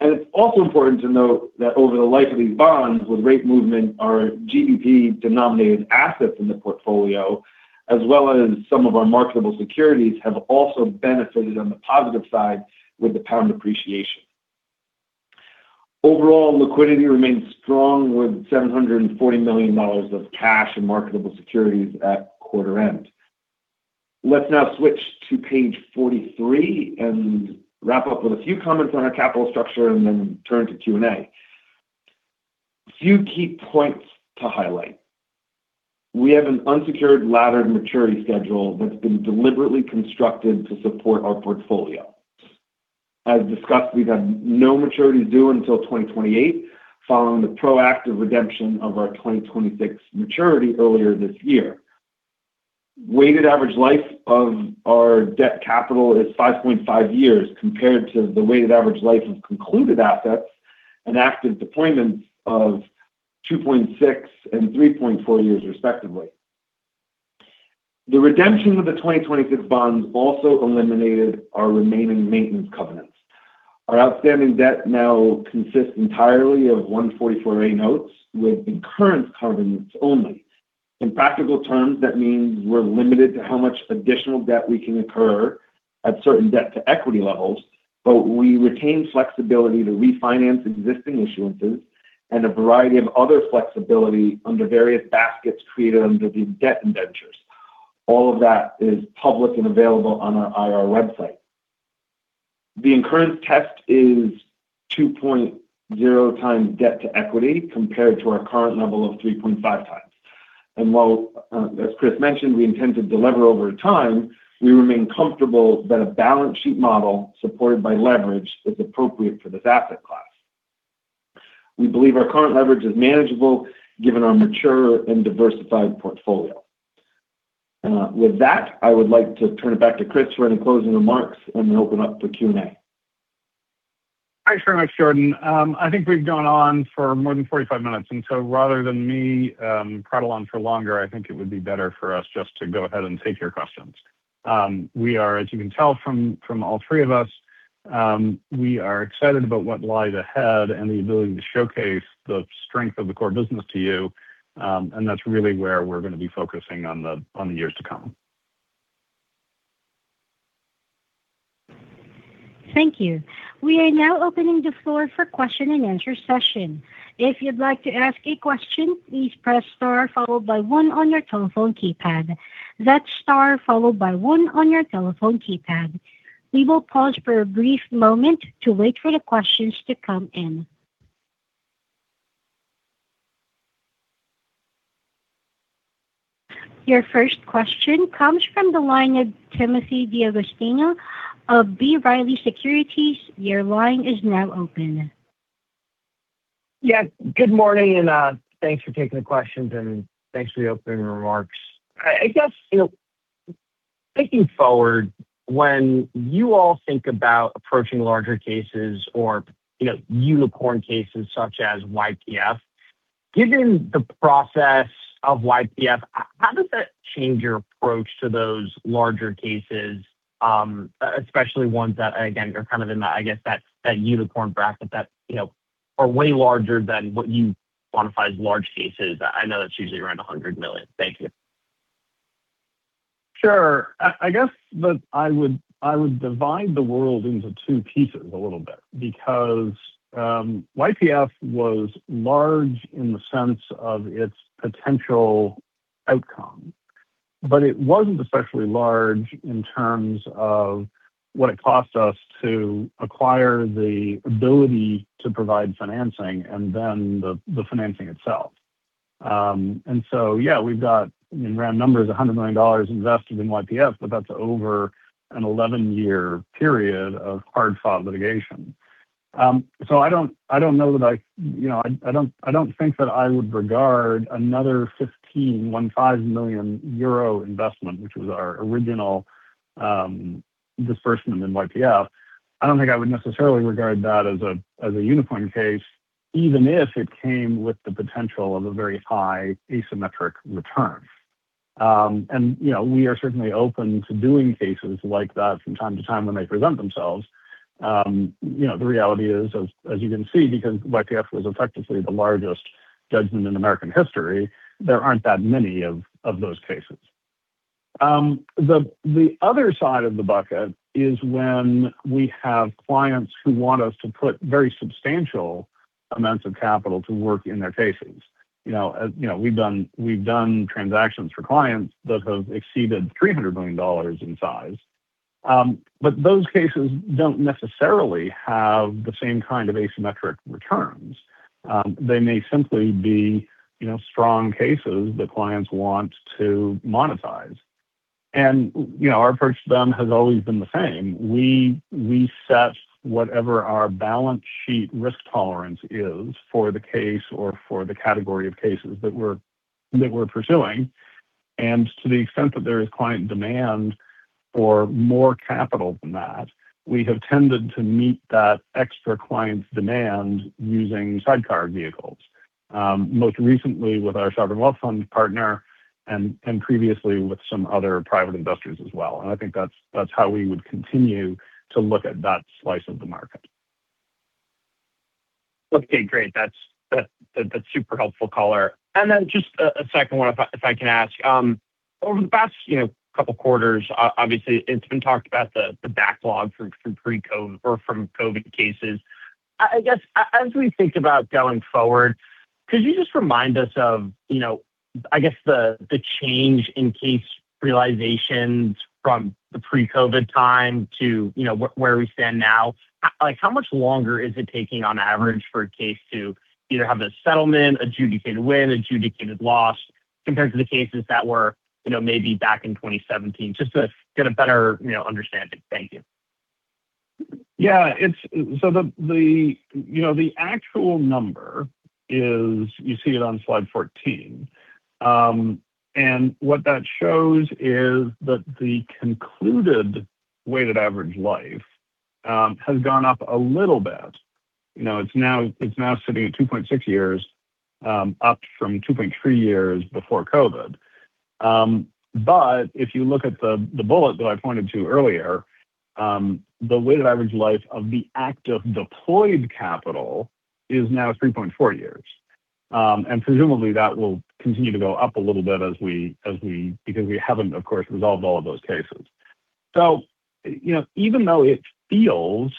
Speaker 5: It's also important to note that over the life of these bonds with rate movement, our GBP-denominated assets in the portfolio, as well as some of our marketable securities, have also benefited on the positive side with the pound appreciation. Overall, liquidity remains strong with $740 million of cash and marketable securities at quarter end. Let's now switch to page 43 and wrap up with a few comments on our capital structure and then turn to Q&A. A few key points to highlight. We have an unsecured laddered maturity schedule that's been deliberately constructed to support our portfolio. As discussed, we've had no maturities due until 2028 following the proactive redemption of our 2026 maturity earlier this year. Weighted average life of our debt capital is five point five years compared to the weighted average life of concluded assets and active deployments of two point six and three point four years respectively. The redemption of the 2026 bonds also eliminated our remaining maintenance covenants. Our outstanding debt now consists entirely of 144A notes with incurrence covenants only. In practical terms, that means we're limited to how much additional debt we can incur at certain debt-to-equity levels, but we retain flexibility to refinance existing issuances and a variety of other flexibility under various baskets created under these debt indentures. All of that is public and available on our IR website. The incurrence test is two point zero times debt to equity compared to our current level of three point five times. While, as Chris mentioned, we intend to deliver over time, we remain comfortable that a balance sheet model supported by leverage is appropriate for this asset class. We believe our current leverage is manageable given our mature and diversified portfolio. With that, I would like to turn it back to Chris for any closing remarks and then open up for Q&A.
Speaker 3: Thanks very much, Jordan. I think we've gone on for more than 45 minutes, and so rather than me prattle on for longer, I think it would be better for us just to go ahead and take your questions. We are, as you can tell from all three of us, we are excited about what lies ahead and the ability to showcase the strength of the core business to you. That's really where we're gonna be focusing on the years to come.
Speaker 1: Thank you. We are now opening the floor for question and answer session. If you'd like to ask a question, please press star followed by one on your telephone keypad. That's star followed by one on your telephone keypad. We will pause for a brief moment to wait for the questions to come in. Your first question comes from the line of Timothy D'Agostino of B. Riley Securities. Your line is now open.
Speaker 6: Good morning, thanks for taking the questions and thanks for the opening remarks. I guess, you know, thinking forward, when you all think about approaching larger cases or, you know, unicorn cases such as YPF, given the process of YPF, how does that change your approach to those larger cases, especially ones that again are kind of in that, I guess, that unicorn bracket that, you know, are way larger than what you quantify as large cases? I know that's usually around $100 million. Thank you.
Speaker 3: Sure. I guess that I would divide the world into two pieces a little bit because YPF was large in the sense of its potential outcome, but it wasn't especially large in terms of what it cost us to acquire the ability to provide financing and then the financing itself. Yeah, we've got, in round numbers, $100 million invested in YPF, but that's over an 11-year period of hard-fought litigation. I don't know that I You know, I don't think that I would regard another 15 million euro investment, which was our original disbursement in YPF. I don't think I would necessarily regard that as a, as a unicorn case, even if it came with the potential of a very high asymmetric return. You know, we are certainly open to doing cases like that from time to time when they present themselves. You know, the reality is, as you can see, because YPF was effectively the largest judgment in American history, there aren't that many of those cases. The other side of the bucket is when we have clients who want us to put very substantial amounts of capital to work in their cases. You know, you know, we've done transactions for clients that have exceeded $300 million in size. Those cases don't necessarily have the same kind of asymmetric returns. They may simply be, you know, strong cases that clients want to monetize. You know, our approach to them has always been the same. We set whatever our balance sheet risk tolerance is for the case or for the category of cases that we're pursuing. To the extent that there is client demand for more capital than that, we have tended to meet that extra client demand using sidecar vehicles. Most recently with our sovereign wealth fund partner and previously with some other private investors as well. I think that's how we would continue to look at that slice of the market.
Speaker 6: Okay, great. That's super helpful color. Then just a second one if I can ask. Over the past, you know, couple quarters, obviously it's been talked about the backlog from pre-COVID or from COVID cases. I guess as we think about going forward, could you just remind us of, you know, I guess the change in case realizations from the pre-COVID time to, you know, where we stand now? Like, how much longer is it taking on average for a case to either have a settlement, adjudicated win, adjudicated loss compared to the cases that were, you know, maybe back in 2017? Just to get a better, you know, understanding. Thank you.
Speaker 3: The, you know, the actual number is, you see it on slide 14. What that shows is that the concluded weighted average life has gone up a little bit. You know, it's now sitting at two point six years, up from two point three years before COVID. If you look at the bullet that I pointed to earlier, the weighted average life of the active deployed capital is now three point four years. Presumably that will continue to go up a little bit because we haven't, of course, resolved all of those cases. You know, even though it feels,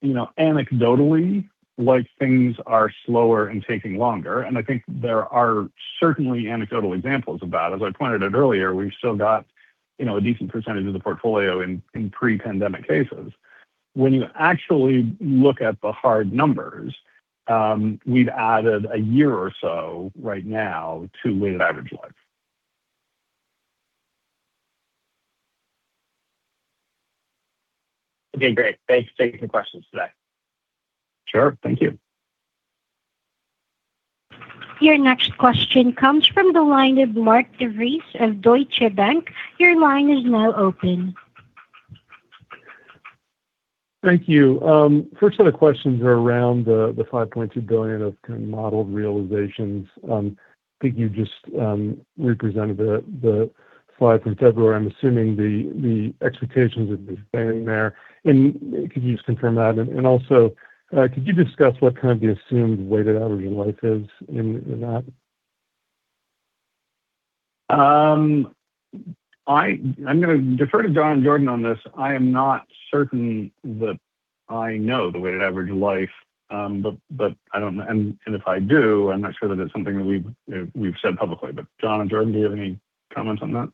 Speaker 3: you know, anecdotally like things are slower and taking longer, and I think there are certainly anecdotal examples of that. As I pointed out earlier, we've still got, you know, a decent percentage of the portfolio in pre-pandemic cases. When you actually look at the hard numbers, we've added a year or so right now to weighted average life.
Speaker 6: Okay, great. Thanks. Taking the questions today.
Speaker 3: Sure. Thank you.
Speaker 1: Your next question comes from the line of Mark DeVries of Deutsche Bank. Your line is now open.
Speaker 7: Thank you. First set of questions are around the $5.2 billion of kind of modeled realizations. I think you just represented the slide from February. I'm assuming the expectations would be staying there. Could you just confirm that? Also, could you discuss what kind of the assumed weighted average life is in that?
Speaker 3: I'm gonna defer to John and Jordan on this. I am not certain that I know the weighted average life. I don't and if I do, I'm not sure that it's something that we've said publicly. John and Jordan, do you have any comments on that?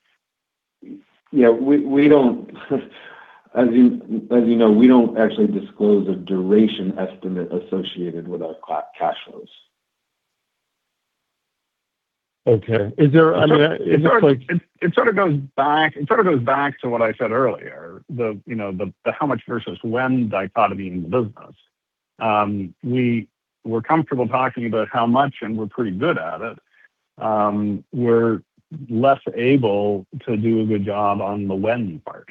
Speaker 5: Yeah. We don't As you know, we don't actually disclose a duration estimate associated with our cash flows.
Speaker 7: Okay. Is there, I mean,
Speaker 3: It sort of goes back to what I said earlier, you know, the how much versus when dichotomy in the business. We're comfortable talking about how much, and we're pretty good at it. We're less able to do a good job on the when part.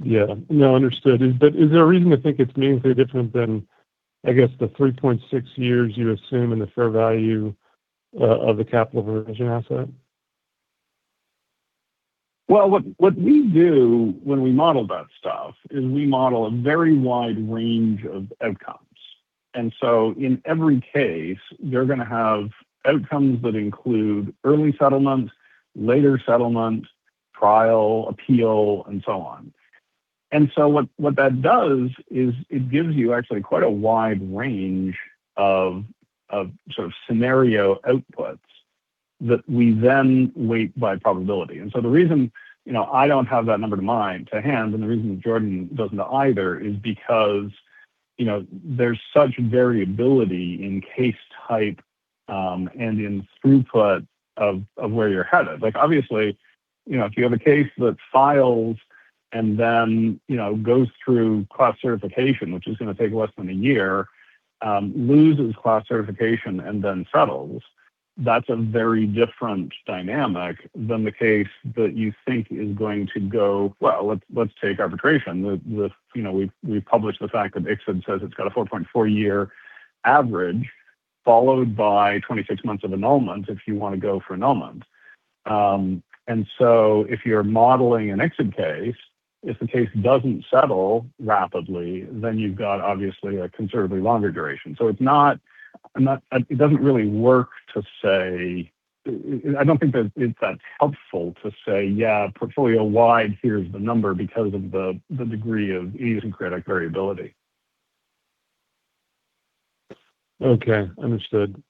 Speaker 7: Yeah. No, understood. Is there a reason to think it's meaningfully different than, I guess, the three point six years you assume in the fair value of the capital finance asset?
Speaker 3: Well, what we do when we model that stuff is we model a very wide range of outcomes. In every case, you're gonna have outcomes that include early settlement, later settlement, trial, appeal, and so on. What that does is it gives you actually quite a wide range of sort of scenario outputs that we then weight by probability. The reason, you know, I don't have that number to mind, to hand, and the reason that Jordan doesn't either, is because, you know, there's such variability in case type, and in throughput of where you're headed. Like, obviously, you know, if you have a case that's filed and then, you know, goes through class certification, which is gonna take less than a year, loses class certification and then settles, that's a very different dynamic than the case that you think is going to go. Well, let's take arbitration. The, you know, we've published the fact that ICSID says it's got a four point four-year average, followed by 26 months of annulment if you wanna go for annulment. If you're modeling an ICSID case, if the case doesn't settle rapidly, then you've got obviously a considerably longer duration. It doesn't really work to say, I don't think that it's that helpful to say, "Yeah, portfolio-wide, here's the number," because of the degree of ease and credit variability.
Speaker 7: Okay. Understood.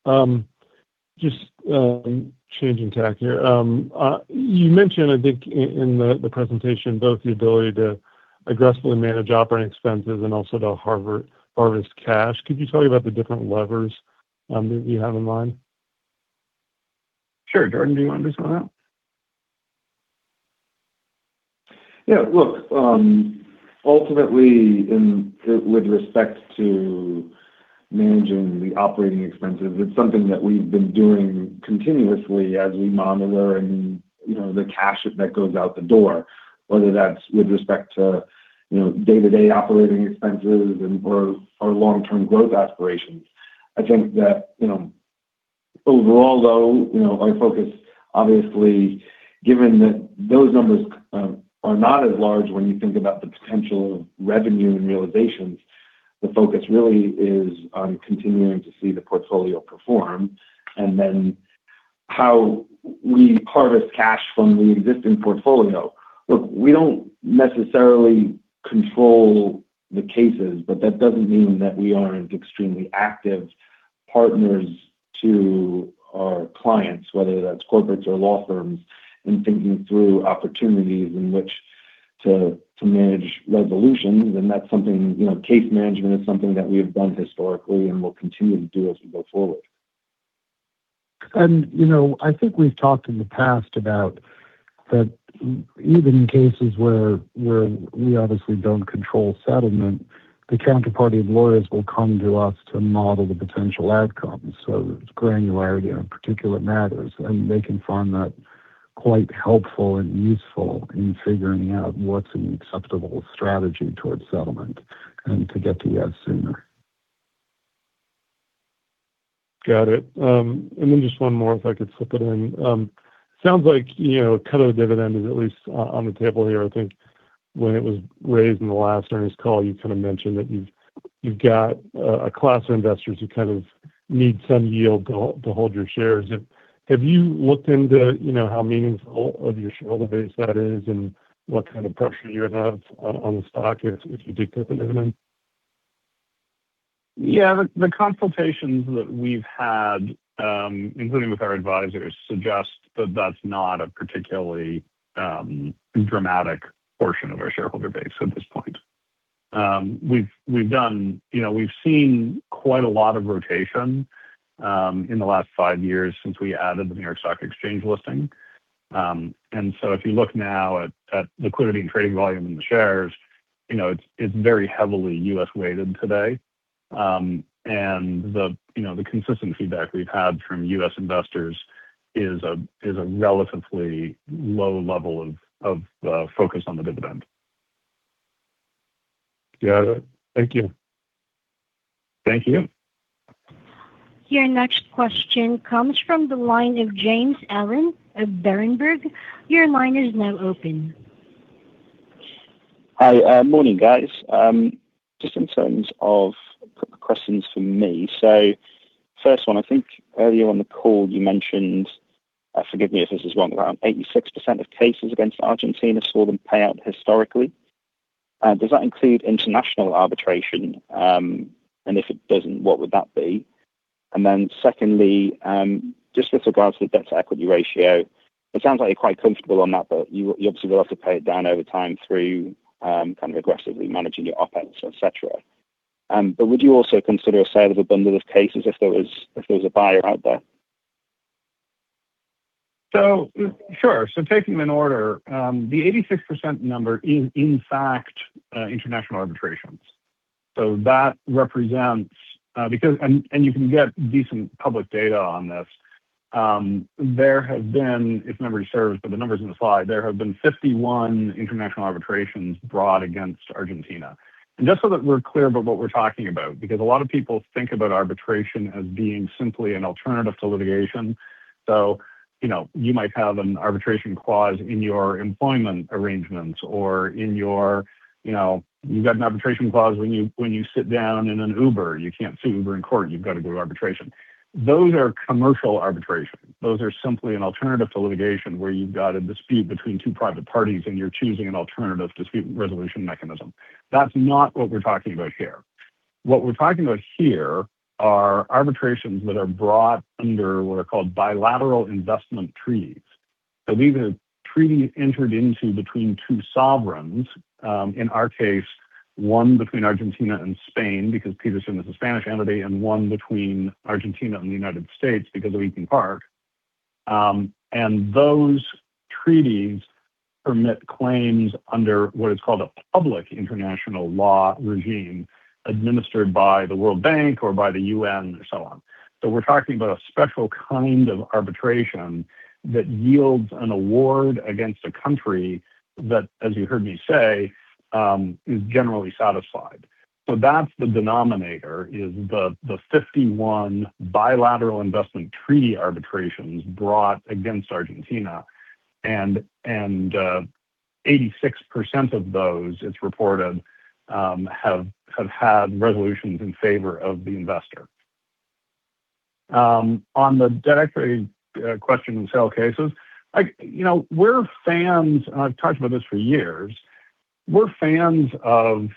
Speaker 7: Just changing tack here. You mentioned, I think in the presentation, both the ability to aggressively manage operating expenses and also to harvest cash. Could you tell me about the different levers that you have in mind?
Speaker 3: Sure. Jordan, do you wanna address that?
Speaker 5: With respect to managing the operating expenses, it's something that we've been doing continuously as we monitor and, you know, the cash that goes out the door, whether that's with respect to, you know, day-to-day operating expenses or our long-term growth aspirations. I think that, you know, overall though, you know, our focus obviously, given that those numbers are not as large when you think about the potential of revenue and realizations, the focus really is on continuing to see the portfolio perform and then how we harvest cash from the existing portfolio. We don't necessarily control the cases, but that doesn't mean that we aren't extremely active partners to our clients, whether that's corporates or law firms, in thinking through opportunities in which to manage resolutions. That's something, you know, case management is something that we have done historically and will continue to do as we go forward.
Speaker 3: You know, I think we've talked in the past about that even in cases where we obviously don't control settlement, the counterparty of lawyers will come to us to model the potential outcomes. Granularity on particular matters, and they can find that quite helpful and useful in figuring out what's an acceptable strategy towards settlement and to get to yes sooner.
Speaker 7: Got it. Just one more, if I could slip it in. Sounds like, you know, kind of the dividend is at least on the table here. I think when it was raised in the last earnings call, you kinda mentioned that you've got a class of investors who kind of need some yield go to hold your shares. Have you looked into, you know, how meaningful of your shareholder base that is and what kind of pressure you would have on the stock if you did pay a dividend?
Speaker 3: The consultations that we've had, including with our advisors, suggest that that's not a particularly dramatic portion of our shareholder base at this point. We've, we've done You know, we've seen quite a lot of rotation in the last five years since we added the New York Stock Exchange listing. If you look now at liquidity and trading volume in the shares, you know, it's very heavily U.S.-weighted today. The, you know, the consistent feedback we've had from U.S. investors is a relatively low level of focus on the dividend.
Speaker 7: Got it. Thank you.
Speaker 3: Thank you.
Speaker 1: Your next question comes from the line of James Bayliss of Berenberg. Your line is now open.
Speaker 8: Hi. Morning, guys. Just in terms of quick questions from me. First one, I think earlier on the call you mentioned, forgive me if this is wrong, around 86% of cases against Argentina saw them pay out historically. Does that include international arbitration? If it doesn't, what would that be? Secondly, just with regards to the debt-to-equity ratio, it sounds like you're quite comfortable on that, but you obviously will have to pay it down over time through kind of aggressively managing your opex, et cetera. Would you also consider a sale of a bundle of cases if there was a buyer out there?
Speaker 3: Sure. Taking them in order, the 86% number is in fact international arbitrations. That represents. You can get decent public data on this. There have been, if memory serves, but the number's in the slide, there have been 51 international arbitrations brought against Argentina. Just so that we're clear about what we're talking about, because a lot of people think about arbitration as being simply an alternative to litigation. You know, you might have an arbitration clause in your employment arrangements or in your, you know, you've got an arbitration clause when you, when you sit down in an Uber. You can't sue Uber in court, you've got to go to arbitration. Those are commercial arbitration. Those are simply an alternative to litigation where you've got a dispute between two private parties and you're choosing an alternative dispute resolution mechanism. That's not what we're talking about here. What we're talking about here are arbitrations that are brought under what are called Bilateral Investment Treaties. I believe a treaty entered into between two sovereigns, in our case, one between Argentina and Spain, because Petersen is a Spanish entity, and one between Argentina and the U.S. because of Eton Park. Those treaties permit claims under what is called a public international law regime administered by the World Bank or by the UN or so on. We're talking about a special kind of arbitration that yields an award against a country that, as you heard me say, is generally satisfied. That's the denominator, is the 51 Bilateral Investment Treaty arbitrations brought against Argentina and 86% of those, it's reported, have had resolutions in favor of the investor. On the direct question on sale of cases, like, you know, we're fans, and I've talked about this for years, we're fans of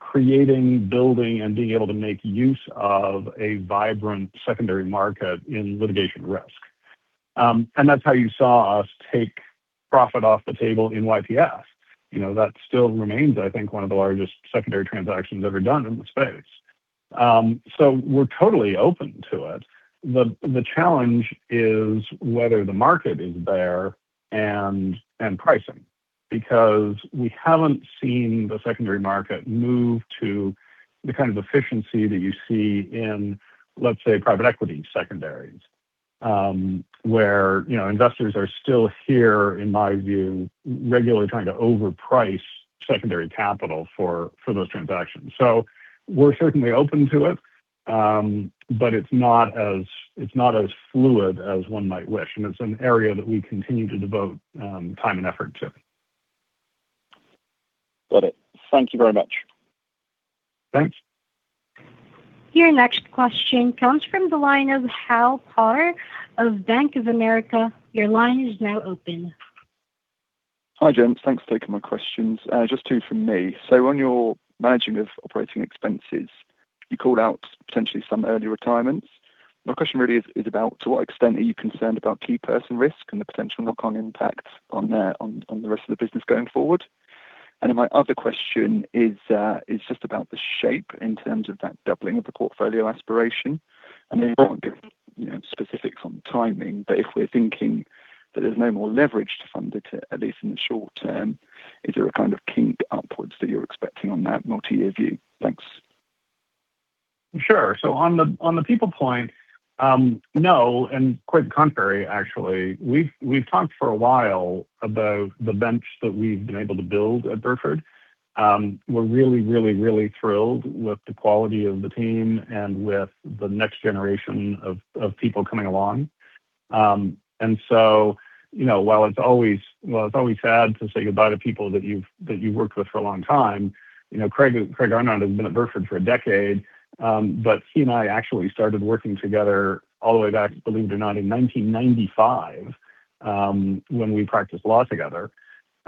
Speaker 3: creating, building, and being able to make use of a vibrant secondary market in litigation risk. That's how you saw us take profit off the table in YPF. You know, that still remains, I think, one of the largest secondary transactions ever done in the space. We're totally open to it. The challenge is whether the market is there and pricing, because we haven't seen the secondary market move to the kind of efficiency that you see in, let's say, private equity secondaries, you know, where investors are still here, in my view, regularly trying to overprice secondary capital for those transactions. We're certainly open to it, but it's not as fluid as one might wish. It's an area that we continue to devote time and effort to.
Speaker 8: Got it. Thank you very much.
Speaker 3: Thanks.
Speaker 1: Your next question comes from the line of Hal Potter of Bank of America. Your line is now open.
Speaker 9: Hi, gents. Thanks for taking my questions. Just two from me. On your managing of operating expenses, you called out potentially some early retirements. My question really is about to what extent are you concerned about key person risk and the potential knock-on impact on the rest of the business going forward? Then my other question is just about the shape in terms of that doubling of the portfolio aspiration. You won't give, you know, specifics on timing, but if we're thinking that there's no more leverage to fund it, at least in the short term, is there a kind of kink upwards that you're expecting on that multi-year view? Thanks.
Speaker 3: Sure. On the people point, no, and quite the contrary, actually. We've talked for a while about the bench that we've been able to build at Burford. We're really, really, really thrilled with the quality of the team and with the next generation of people coming along. You know, while it's always sad to say goodbye to people that you've worked with for a long time, you know, Craig Arnott has been at Burford for a decade, but he and I actually started working together all the way back, believe it or not, in 1995, when we practiced law together.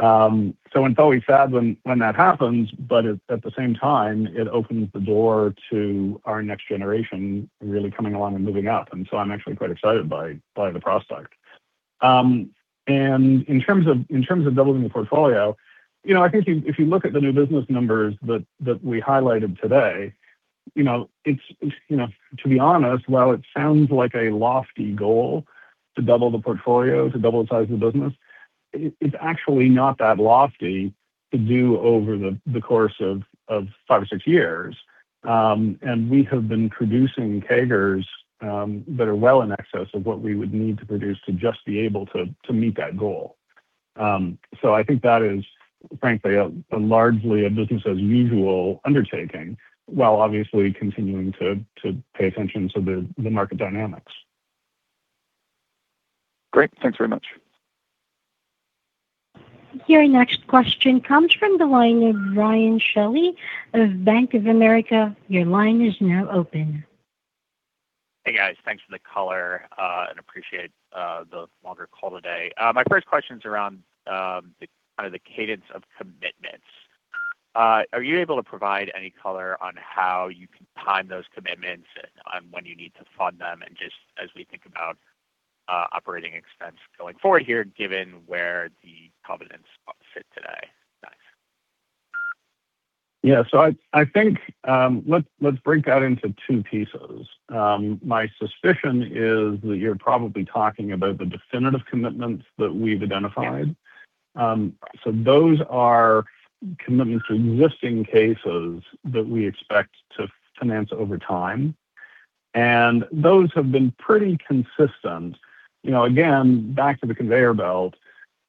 Speaker 3: It's always sad when that happens, but at the same time, it opens the door to our next generation really coming along and moving up. I'm actually quite excited by the prospect. In terms of doubling the portfolio, you know, I think if you look at the new business numbers that we highlighted today, to be honest, while it sounds like a lofty goal to double the portfolio, to double the size of the business, it's actually not that lofty to do over the course of five or six years. We have been producing CAGRs that are well in excess of what we would need to produce to just be able to meet that goal. I think that is frankly a largely a business as usual undertaking, while obviously continuing to pay attention to the market dynamics.
Speaker 9: Great. Thanks very much.
Speaker 1: Your next question comes from the line of Ryan Shelley of Bank of America. Your line is now open.
Speaker 10: Hey, guys. Thanks for the color, and appreciate the longer call today. My first question's around the kind of the cadence of commitments. Are you able to provide any color on how you can time those commitments and on when you need to fund them? Just as we think about operating expense going forward here, given where the commitments sit today. Thanks.
Speaker 3: Yeah. I think, let's break that into two pieces. My suspicion is that you're probably talking about the definitive commitments that we've identified. So those are commitments to existing cases that we expect to finance over time, and those have been pretty consistent. You know, again, back to the conveyor belt,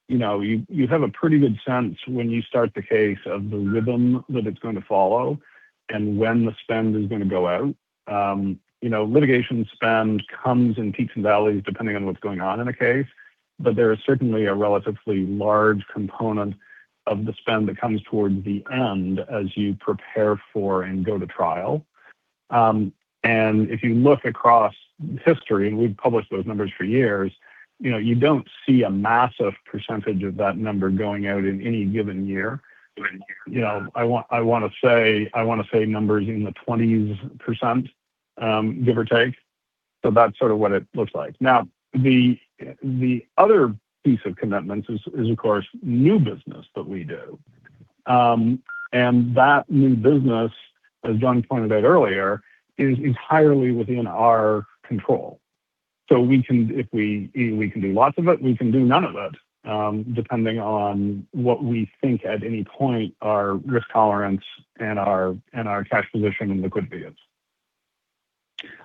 Speaker 3: you know, you have a pretty good sense when you start the case of the rhythm that it's gonna follow and when the spend is gonna go out. You know, litigation spend comes in peaks and valleys depending on what's going on in a case, but there is certainly a relatively large component of the spend that comes towards the end as you prepare for and go to trial. And if you look across history, we've published those numbers for years, you know, you don't see a massive percentage of that number going out in any given year. You know, I want to say numbers in the 20%. Give or take. That's sort of what it looks like. The, the other piece of commitments is of course, new business that we do. That new business, as John pointed out earlier, is entirely within our control. We can do lots of it, we can do none of it, depending on what we think at any point are risk tolerance and our cash position and liquidity is.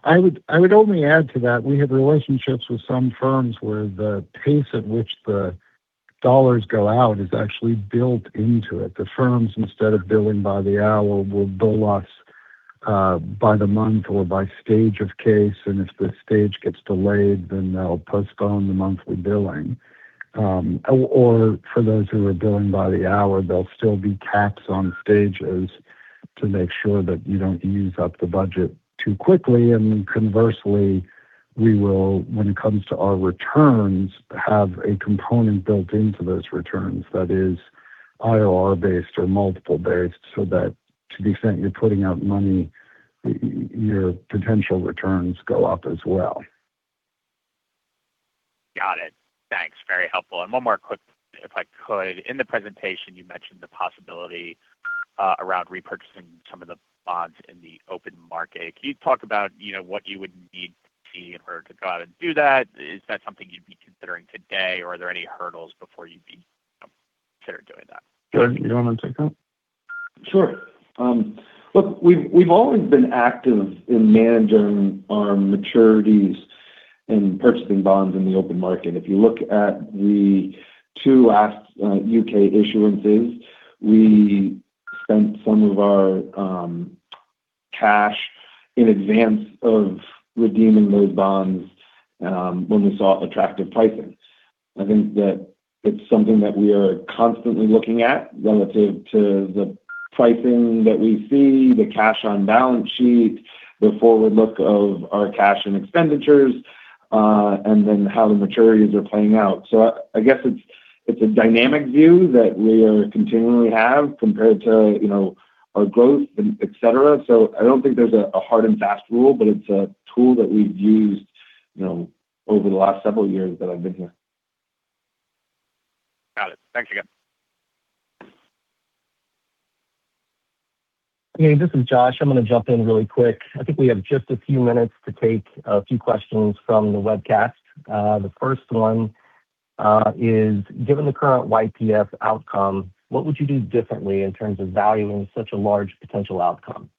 Speaker 4: I would only add to that we have relationships with some firms where the pace at which the $ go out is actually built into it. The firms, instead of billing by the hour, will bill us by the month or by stage of case, and if the stage gets delayed, then they'll postpone the monthly billing. Or for those who are billing by the hour, there'll still be caps on stages to make sure that you don't use up the budget too quickly. Conversely, we will, when it comes to our returns, have a component built into those returns that is IRR based or multiple based, so that to the extent you're putting out money, your potential returns go up as well.
Speaker 10: Got it. Thanks. Very helpful. One more quick if I could. In the presentation, you mentioned the possibility around repurchasing some of the bonds in the open market. Can you talk about, you know, what you would need to be in order to go out and do that? Is that something you'd be considering today, or are there any hurdles before you'd be, you know, consider doing that?
Speaker 3: Jordan, you want to take that?
Speaker 5: Sure. Look, we've always been active in managing our maturities and purchasing bonds in the open market. If you look at the two last U.K. issuances, we spent some of our cash in advance of redeeming those bonds when we saw attractive pricing. I think that it's something that we are constantly looking at relative to the pricing that we see, the cash on balance sheet, the forward look of our cash and expenditures, and then how the maturities are playing out. I guess it's a dynamic view that we continually have compared to, you know, our growth and et cetera. I don't think there's a hard and fast rule, but it's a tool that we've used, you know, over the last several years that I've been here.
Speaker 10: Got it. Thanks again.
Speaker 2: Okay, this is Josh. I'm gonna jump in really quick. I think we have just a few minutes to take a few questions from the webcast. The first one is given the current YPF outcome, what would you do differently in terms of valuing such a large potential outcome?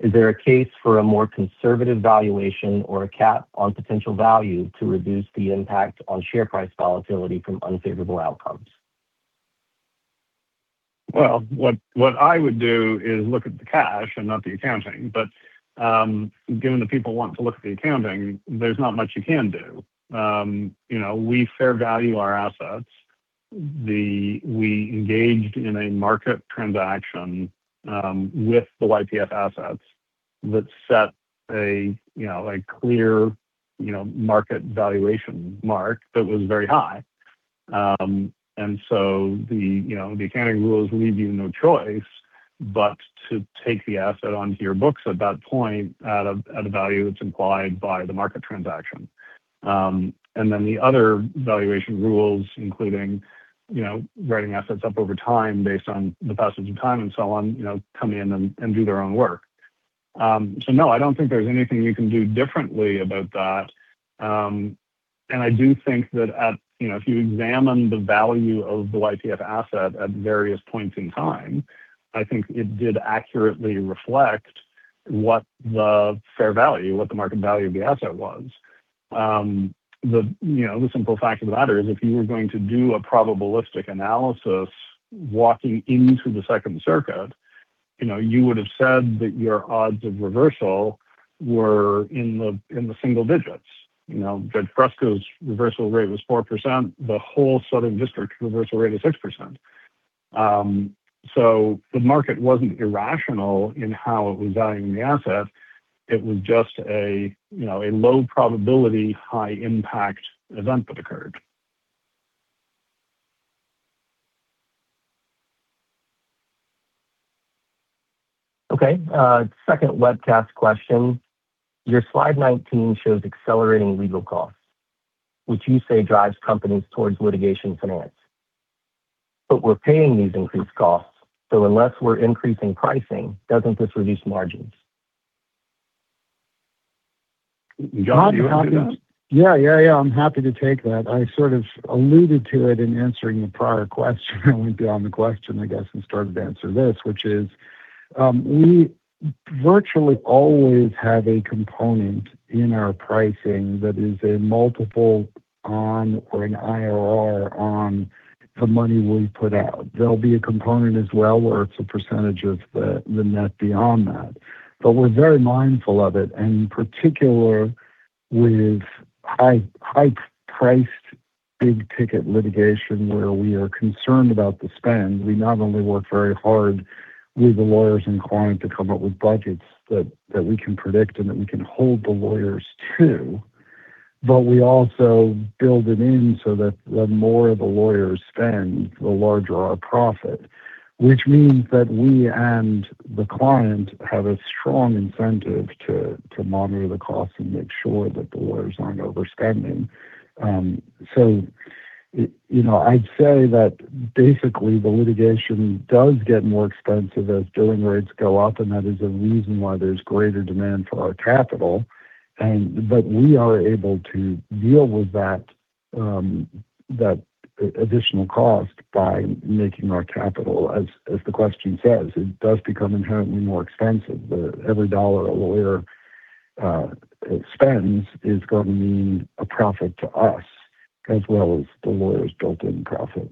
Speaker 2: Is there a case for a more conservative valuation or a cap on potential value to reduce the impact on share price volatility from unfavorable outcomes?
Speaker 3: Well, what I would do is look at the cash and not the accounting. Given that people want to look at the accounting, there's not much you can do. You know, we fair value our assets. We engaged in a market transaction with the YPF assets that set a, you know, a clear, you know, market valuation mark that was very high. The, you know, the accounting rules leave you no choice but to take the asset onto your books at that point at a value that's implied by the market transaction. The other valuation rules, including, you know, writing assets up over time based on the passage of time and so on, you know, come in and do their own work. No, I don't think there's anything you can do differently about that. I do think that at, you know, if you examine the value of the YPF asset at various points in time, I think it did accurately reflect what the fair value, what the market value of the asset was. The, you know, the simple fact of the matter is, if you were going to do a probabilistic analysis walking into the Second Circuit, you know, you would have said that your odds of reversal were in the, in the single digits. You know Judge Loretta Preska's reversal rate was 4%. The whole Southern District reversal rate is 6%. The market wasn't irrational in how it was valuing the asset. It was just a, you know, a low probability, high impact event that occurred.
Speaker 2: Okay. Second webcast question. Your slide 19 shows accelerating legal costs, which you say drives companies towards litigation finance. We're paying these increased costs, so unless we're increasing pricing, doesn't this reduce margins?
Speaker 3: Jon, do you want to take that?
Speaker 4: Yeah, yeah, I'm happy to take that. I sort of alluded to it in answering the prior question. I went beyond the question, I guess, and started to answer this, which is, we virtually always have a component in our pricing that is a multiple on or an IRR on the money we put out. There'll be a component as well where it's a percentage of the net beyond that. We're very mindful of it, and in particular with high-priced big ticket litigation where we are concerned about the spend. We not only work very hard with the lawyers and client to come up with budgets that we can predict and that we can hold the lawyers to. We also build it in so that the more the lawyers spend, the larger our profit, which means that we and the client have a strong incentive to monitor the costs and make sure that the lawyers aren't overspending. You know, I'd say that basically the litigation does get more expensive as billing rates go up, and that is a reason why there's greater demand for our capital. But we are able to deal with that additional cost by making more capital. As the question says, it does become inherently more expensive. Every $1 a lawyer spends is gonna mean a profit to us as well as the lawyers' built-in profit.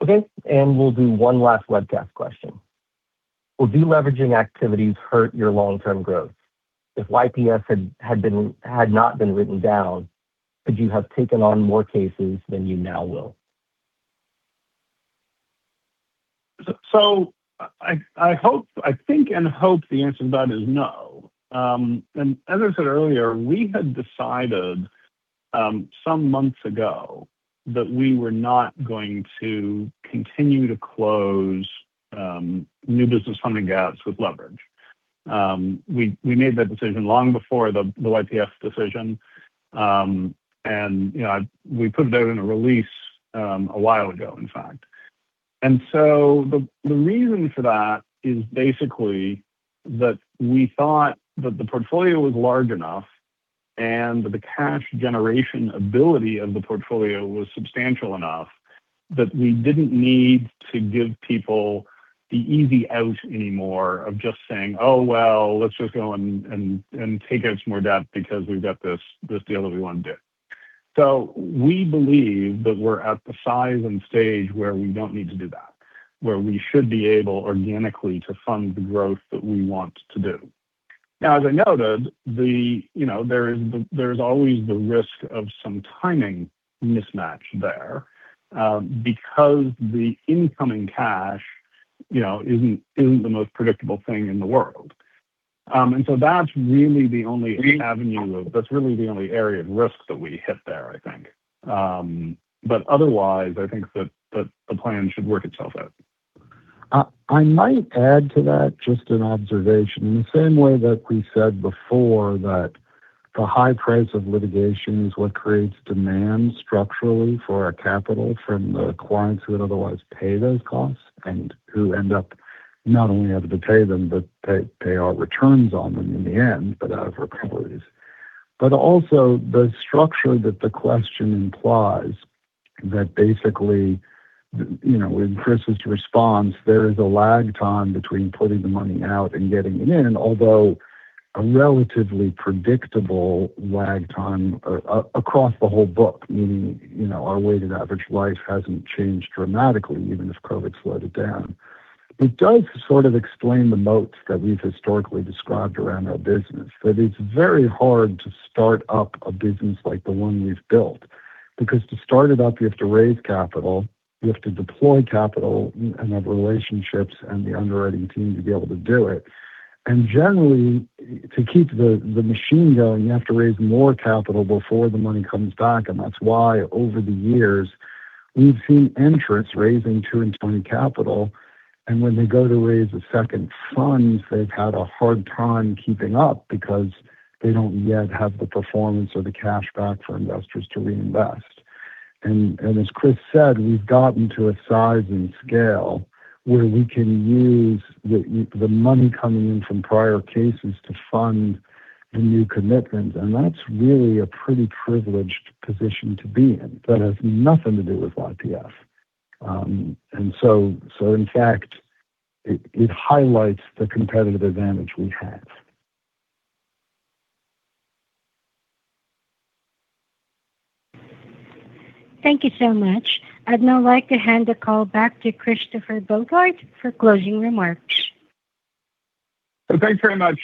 Speaker 2: Okay, we'll do one last webcast question. Will deleveraging activities hurt your long-term growth? If YPF had not been written down, could you have taken on more cases than you now will?
Speaker 3: I hope I think and hope the answer to that is no. As I said earlier, we had decided some months ago that we were not going to continue to close new business funding gaps with leverage. We made that decision long before the YPF decision. You know, we put it out in a release a while ago, in fact. The reason for that is basically that we thought that the portfolio was large enough and the cash generation ability of the portfolio was substantial enough that we didn't need to give people the easy out anymore of just saying, "Oh, well, let's just go and take out some more debt because we've got this deal that we wanna do." We believe that we're at the size and stage where we don't need to do that, where we should be able organically to fund the growth that we want to do. Now, as I noted, you know, there's always the risk of some timing mismatch there, because the incoming cash, you know, isn't the most predictable thing in the world. That's really the only area of risk that we hit there, I think. Otherwise, I think that the plan should work itself out.
Speaker 4: I might add to that just an observation. In the same way that we said before that the high price of litigation is what creates demand structurally for our capital from the clients who would otherwise pay those costs and who end up not only having to pay them, but pay our returns on them in the end, but out of recoveries. Also the structure that the question implies that basically, you know, in Christopher's response, there is a lag time between putting the money out and getting it in, although a relatively predictable lag time across the whole book, meaning, you know, our weighted average life hasn't changed dramatically, even if COVID slowed it down. It does sort of explain the moats that we've historically described around our business, that it's very hard to start up a business like the one we've built because to start it up, you have to raise capital, you have to deploy capital and have relationships and the underwriting team to be able to do it. Generally, to keep the machine going, you have to raise more capital before the money comes back. That's why over the years, we've seen entrants raising too and spending capital, and when they go to raise a second fund, they've had a hard time keeping up because they don't yet have the performance or the cash back for investors to reinvest. As Chris said, we've gotten to a size and scale where we can use the money coming in from prior cases to fund the new commitments. That's really a pretty privileged position to be in. That has nothing to do with YPF. In fact, it highlights the competitive advantage we have.
Speaker 1: Thank you so much. I'd now like to hand the call back to Christopher Bogart for closing remarks.
Speaker 3: Thanks very much.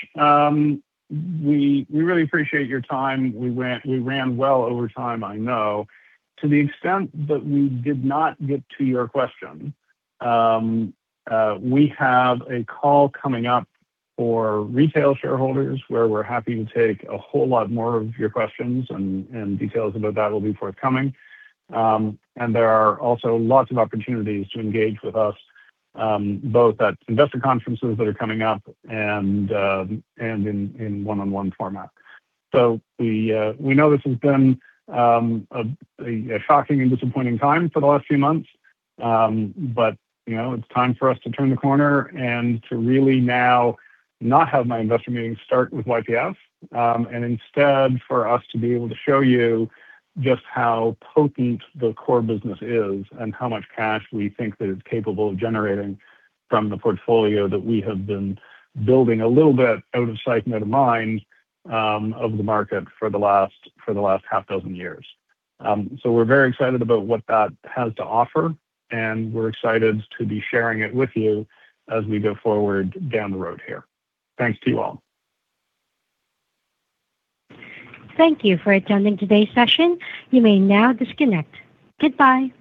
Speaker 3: We really appreciate your time. We ran well over time, I know. To the extent that we did not get to your question, we have a call coming up for retail shareholders where we're happy to take a whole lot more of your questions, and details about that will be forthcoming. There are also lots of opportunities to engage with us, both at investor conferences that are coming up and in one-on-one format. We know this has been a shocking and disappointing time for the last few months. You know, it's time for us to turn the corner and to really now not have my investor meetings start with YPF, and instead for us to be able to show you just how potent the core business is and how much cash we think that it's capable of generating from the portfolio that we have been building a little bit out of sight and out of mind, of the market for the last, for the last half dozen years. We're very excited about what that has to offer, and we're excited to be sharing it with you as we go forward down the road here. Thanks to you all.
Speaker 1: Thank you for attending today's session. You may now disconnect. Goodbye.